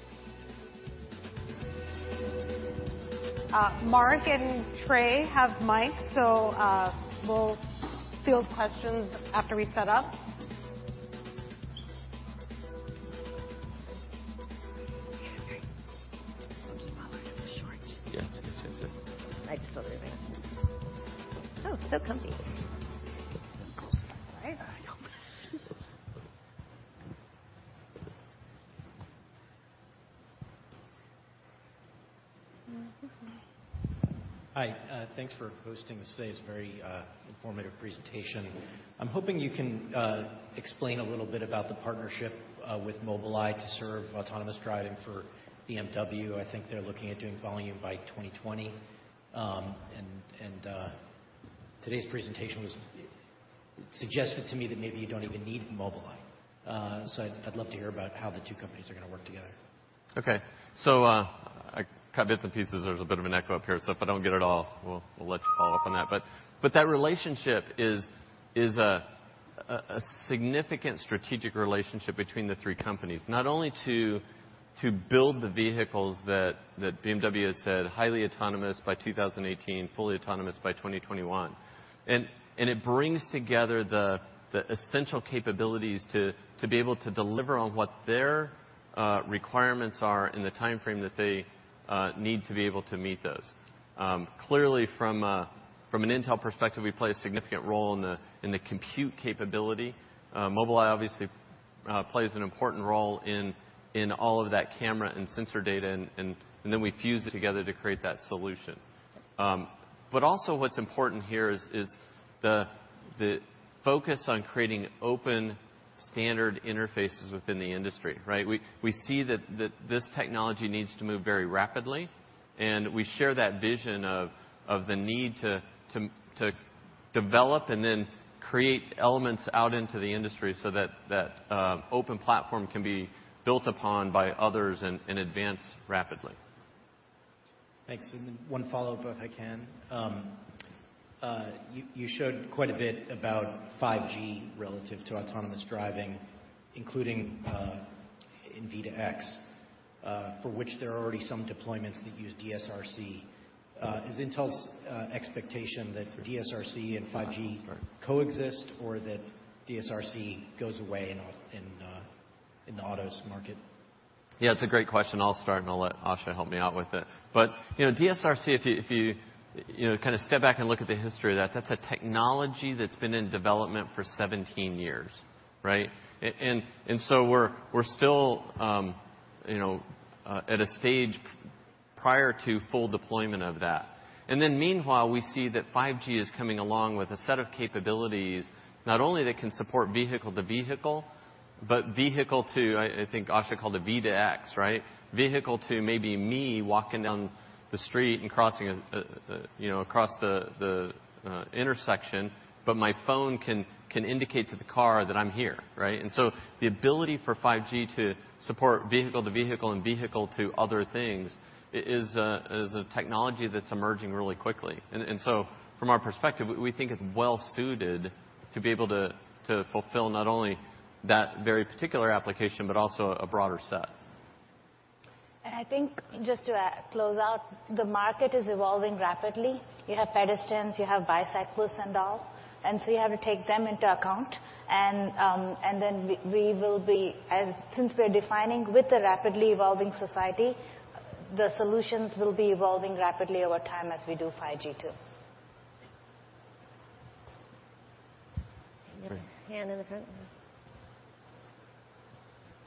B: Mark and Trey have mics, so we'll field questions after we set up.
D: Okay.
B: Follow, it's short.
D: Yes.
B: I just thought it'd be Oh, so comfy. All right.
D: Yep.
B: Okay.
H: Hi. Thanks for hosting this today. It's a very informative presentation. I'm hoping you can explain a little bit about the partnership with Mobileye to serve autonomous driving for BMW. I think they're looking at doing volume by 2020. Today's presentation suggested to me that maybe you don't even need Mobileye. I'd love to hear about how the two companies are going to work together.
D: I caught bits and pieces. There's a bit of an echo up here, so if I don't get it all, we'll let you follow up on that. That relationship is a significant strategic relationship between the three companies, not only to build the vehicles that BMW has said highly autonomous by 2018, fully autonomous by 2021. It brings together the essential capabilities to be able to deliver on what their requirements are in the timeframe that they need to be able to meet those. From an Intel perspective, we play a significant role in the compute capability. Mobileye obviously plays an important role in all of that camera and sensor data, and then we fuse it together to create that solution. Also what's important here is the focus on creating open standard interfaces within the industry, right? We see that this technology needs to move very rapidly. We share that vision of the need to develop and then create elements out into the industry so that open platform can be built upon by others and advance rapidly.
H: Thanks. One follow-up, if I can. You showed quite a bit about 5G relative to autonomous driving, including in V2X, for which there are already some deployments that use DSRC. Is Intel's expectation that DSRC and 5G coexist or that DSRC goes away in the autos market?
D: It's a great question. I'll start. I'll let Asha help me out with it. DSRC, if you step back and look at the history of that's a technology that's been in development for 17 years, right? We're still at a stage prior to full deployment of that. Meanwhile, we see that 5G is coming along with a set of capabilities, not only that can support vehicle to vehicle, but vehicle to, I think Asha called it V2X, right? Vehicle to maybe me walking down the street and crossing the intersection. My phone can indicate to the car that I'm here, right? The ability for 5G to support vehicle to vehicle and vehicle to other things is a technology that's emerging really quickly. From our perspective, we think it's well-suited to be able to fulfill not only that very particular application, but also a broader set.
F: I think just to close out, the market is evolving rapidly. You have pedestrians, you have bicyclists and all, you have to take them into account. Since we're defining with the rapidly evolving society, the solutions will be evolving rapidly over time as we do 5G too.
B: Hand in the front.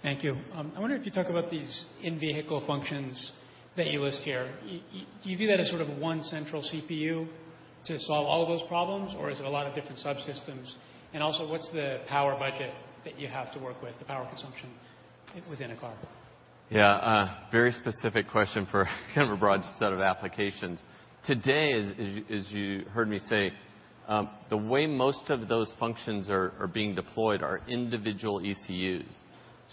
H: Thank you. I wonder if you talk about these in-vehicle functions that you list here. Do you view that as sort of one central CPU to solve all of those problems, or is it a lot of different subsystems? Also, what's the power budget that you have to work with, the power consumption within a car?
D: Yeah. Very specific question for kind of a broad set of applications. Today, as you heard me say, the way most of those functions are being deployed are individual ECUs.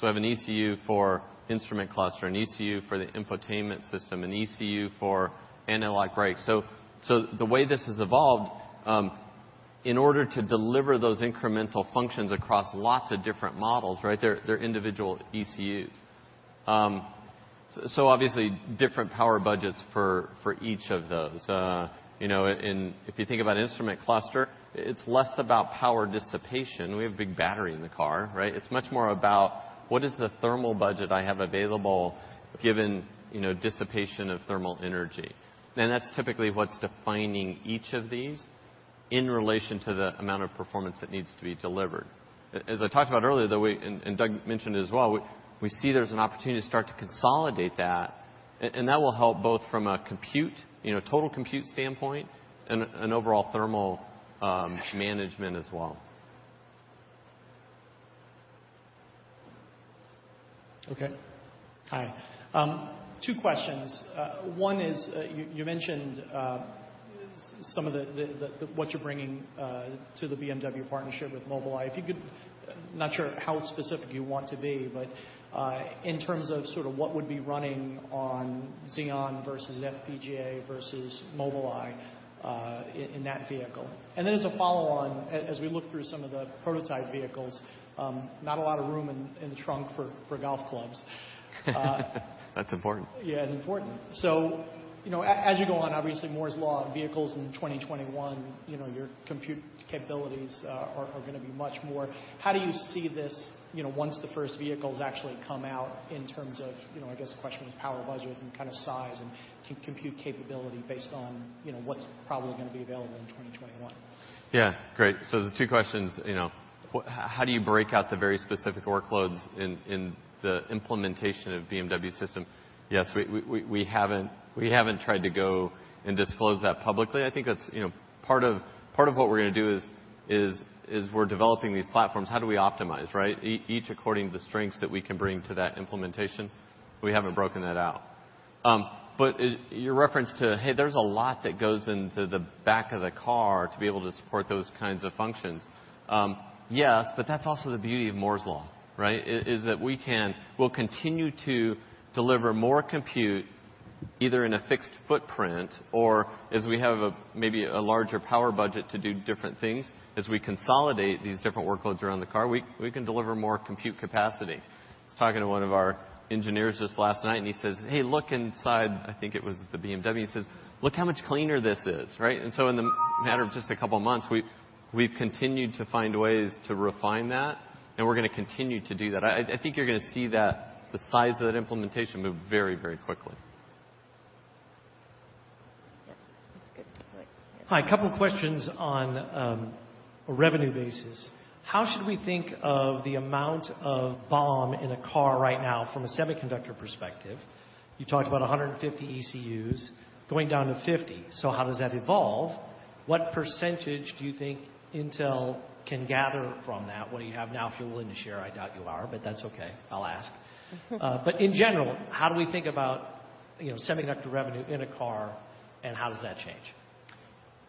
D: I have an ECU for instrument cluster, an ECU for the infotainment system, an ECU for analog brakes. The way this has evolved, in order to deliver those incremental functions across lots of different models, they're individual ECUs. Obviously, different power budgets for each of those. If you think about instrument cluster, it's less about power dissipation. We have a big battery in the car. It's much more about what is the thermal budget I have available given dissipation of thermal energy. That's typically what's defining each of these in relation to the amount of performance that needs to be delivered. As I talked about earlier, and Doug mentioned it as well, we see there's an opportunity to start to consolidate that, and that will help both from a total compute standpoint and overall thermal management as well.
H: Okay. Hi. Two questions. One is, you mentioned what you're bringing to the BMW partnership with Mobileye. I'm not sure how specific you want to be, but in terms of what would be running on Xeon versus FPGA versus Mobileye in that vehicle. As a follow on, as we look through some of the prototype vehicles, not a lot of room in the trunk for golf clubs.
D: That's important.
H: Yeah, it's important. As you go on, obviously Moore's Law, vehicles in 2021, your compute capabilities are going to be much more. How do you see this, once the first vehicles actually come out in terms of, I guess the question is power budget and size and compute capability based on what's probably going to be available in 2021.
D: Yeah, great. The two questions, how do you break out the very specific workloads in the implementation of BMW system? Yes, we haven't tried to go and disclose that publicly. I think that part of what we're going to do is we're developing these platforms. How do we optimize? Each according to the strengths that we can bring to that implementation. We haven't broken that out. Your reference to, hey, there's a lot that goes into the back of the car to be able to support those kinds of functions. Yes, that's also the beauty of Moore's Law. Is that we'll continue to deliver more compute, either in a fixed footprint or as we have maybe a larger power budget to do different things. As we consolidate these different workloads around the car, we can deliver more compute capacity. I was talking to one of our engineers just last night, and he says, "Hey, look inside" I think it was the BMW. He says, "Look how much cleaner this is." In the matter of just a couple of months, we've continued to find ways to refine that, and we're going to continue to do that. I think you're going to see that the size of that implementation move very quickly.
A: Yes. That's good. All right. Yeah.
H: Hi, a couple questions on a revenue basis. How should we think of the amount of BOM in a car right now from a semiconductor perspective? You talked about 150 ECUs going down to 50. How does that evolve? What percentage do you think Intel can gather from that, what you have now, if you're willing to share? I doubt you are, but that's okay. I'll ask. In general, how do we think about semiconductor revenue in a car and how does that change?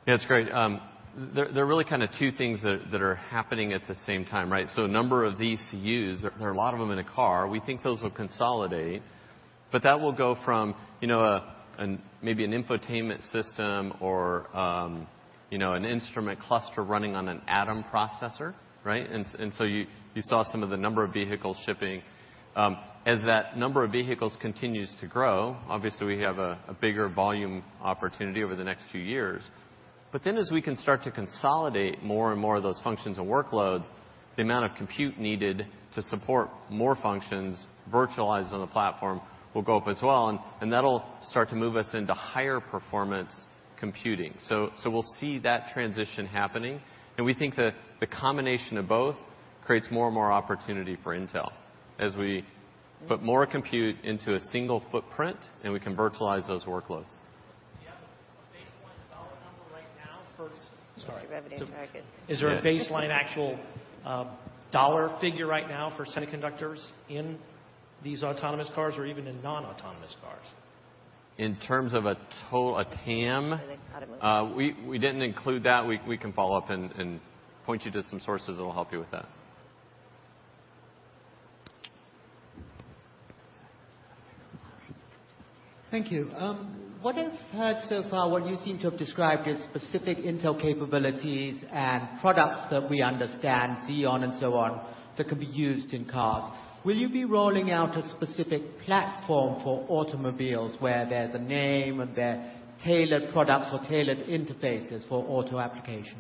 D: Yeah, that's great. There are really two things that are happening at the same time. The number of ECUs, there are a lot of them in a car. We think those will consolidate, but that will go from maybe an infotainment system or an instrument cluster running on an Atom processor. You saw some of the number of vehicles shipping. As that number of vehicles continues to grow, obviously, we have a bigger volume opportunity over the next few years. As we can start to consolidate more and more of those functions and workloads, the amount of compute needed to support more functions virtualized on the platform will go up as well, and that'll start to move us into higher performance computing. We'll see that transition happening, and we think that the combination of both creates more and more opportunity for Intel as we put more compute into a single footprint and we can virtualize those workloads.
H: Do you have a baseline dollar number right now for.
A: Revenue targets.
H: Is there a baseline actual dollar figure right now for semiconductors in these autonomous cars or even in non-autonomous cars?
D: In terms of a TAM?
A: I think automotive.
D: We didn't include that. We can follow up and point you to some sources that will help you with that.
A: Okay.
H: Thank you. What I've heard so far, what you seem to have described is specific Intel capabilities and products that we understand, Xeon and so on, that can be used in cars. Will you be rolling out a specific platform for automobiles where there's a name and there are tailored products or tailored interfaces for auto applications?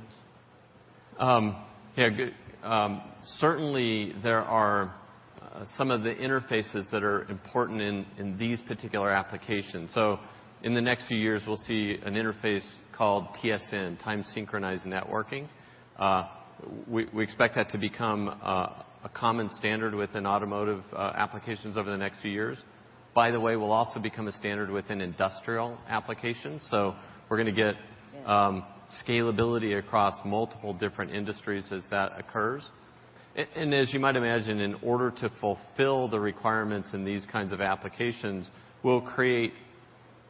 D: Yeah. Certainly, there are some of the interfaces that are important in these particular applications. In the next few years, we'll see an interface called TSN, Time Synchronized Networking. We expect that to become a common standard within automotive applications over the next few years. By the way, will also become a standard within industrial applications. We're going to get scalability across multiple different industries as that occurs. As you might imagine, in order to fulfill the requirements in these kinds of applications, we'll create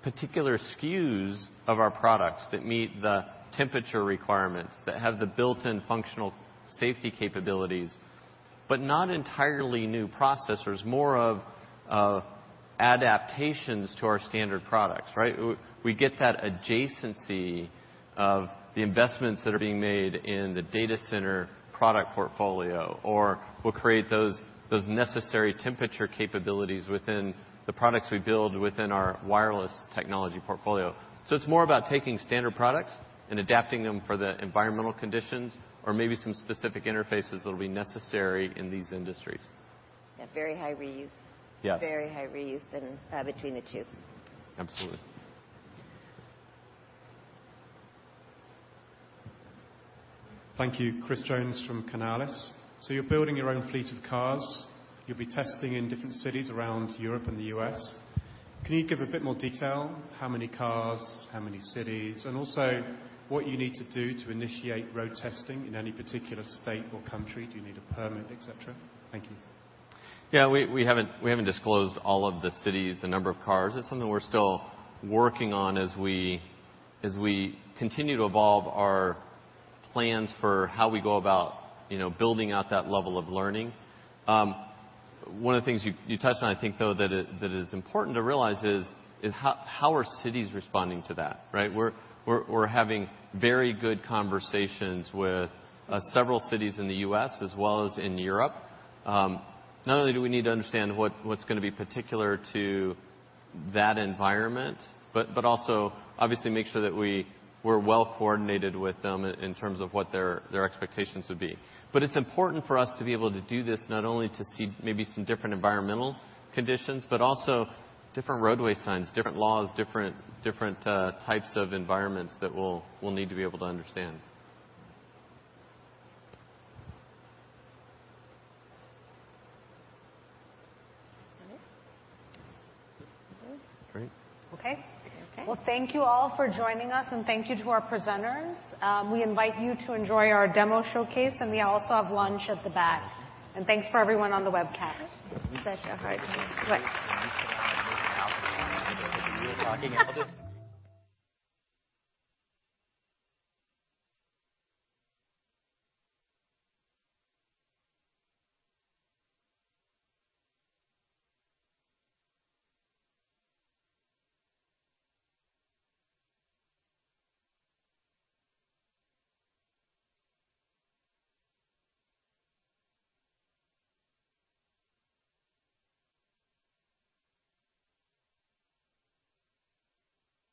D: particular SKUs of our products that meet the temperature requirements, that have the built-in functional safety capabilities. Not entirely new processors, more of adaptations to our standard products. Right? We get that adjacency of the investments that are being made in the data center product portfolio, or we'll create those necessary temperature capabilities within the products we build within our wireless technology portfolio. It's more about taking standard products and adapting them for the environmental conditions or maybe some specific interfaces that'll be necessary in these industries.
A: Yeah, very high reuse.
D: Yes.
A: Very high reuse between the two.
D: Absolutely.
I: Thank you. Chris Jones from Canalys. You're building your own fleet of cars. You'll be testing in different cities around Europe and the U.S. Can you give a bit more detail? How many cars, how many cities, and also what you need to do to initiate road testing in any particular state or country. Do you need a permit, et cetera? Thank you.
D: Yeah, we haven't disclosed all of the cities, the number of cars. That's something we're still working on as we continue to evolve our plans for how we go about building out that level of learning. One of the things you touched on, I think, though, that is important to realize is how are cities responding to that, right? We're having very good conversations with several cities in the U.S. as well as in Europe. Not only do we need to understand what's going to be particular to that environment, but also obviously make sure that we're well-coordinated with them in terms of what their expectations would be. It's important for us to be able to do this not only to see maybe some different environmental conditions, but also different roadway signs, different laws, different types of environments that we'll need to be able to understand.
A: All right.
D: Great.
B: Okay.
A: Okay.
B: Well, thank you all for joining us, and thank you to our presenters. We invite you to enjoy our demo showcase, and we also have lunch at the back. Thanks for everyone on the webcast.
D: Got your heart going. What? We were talking about this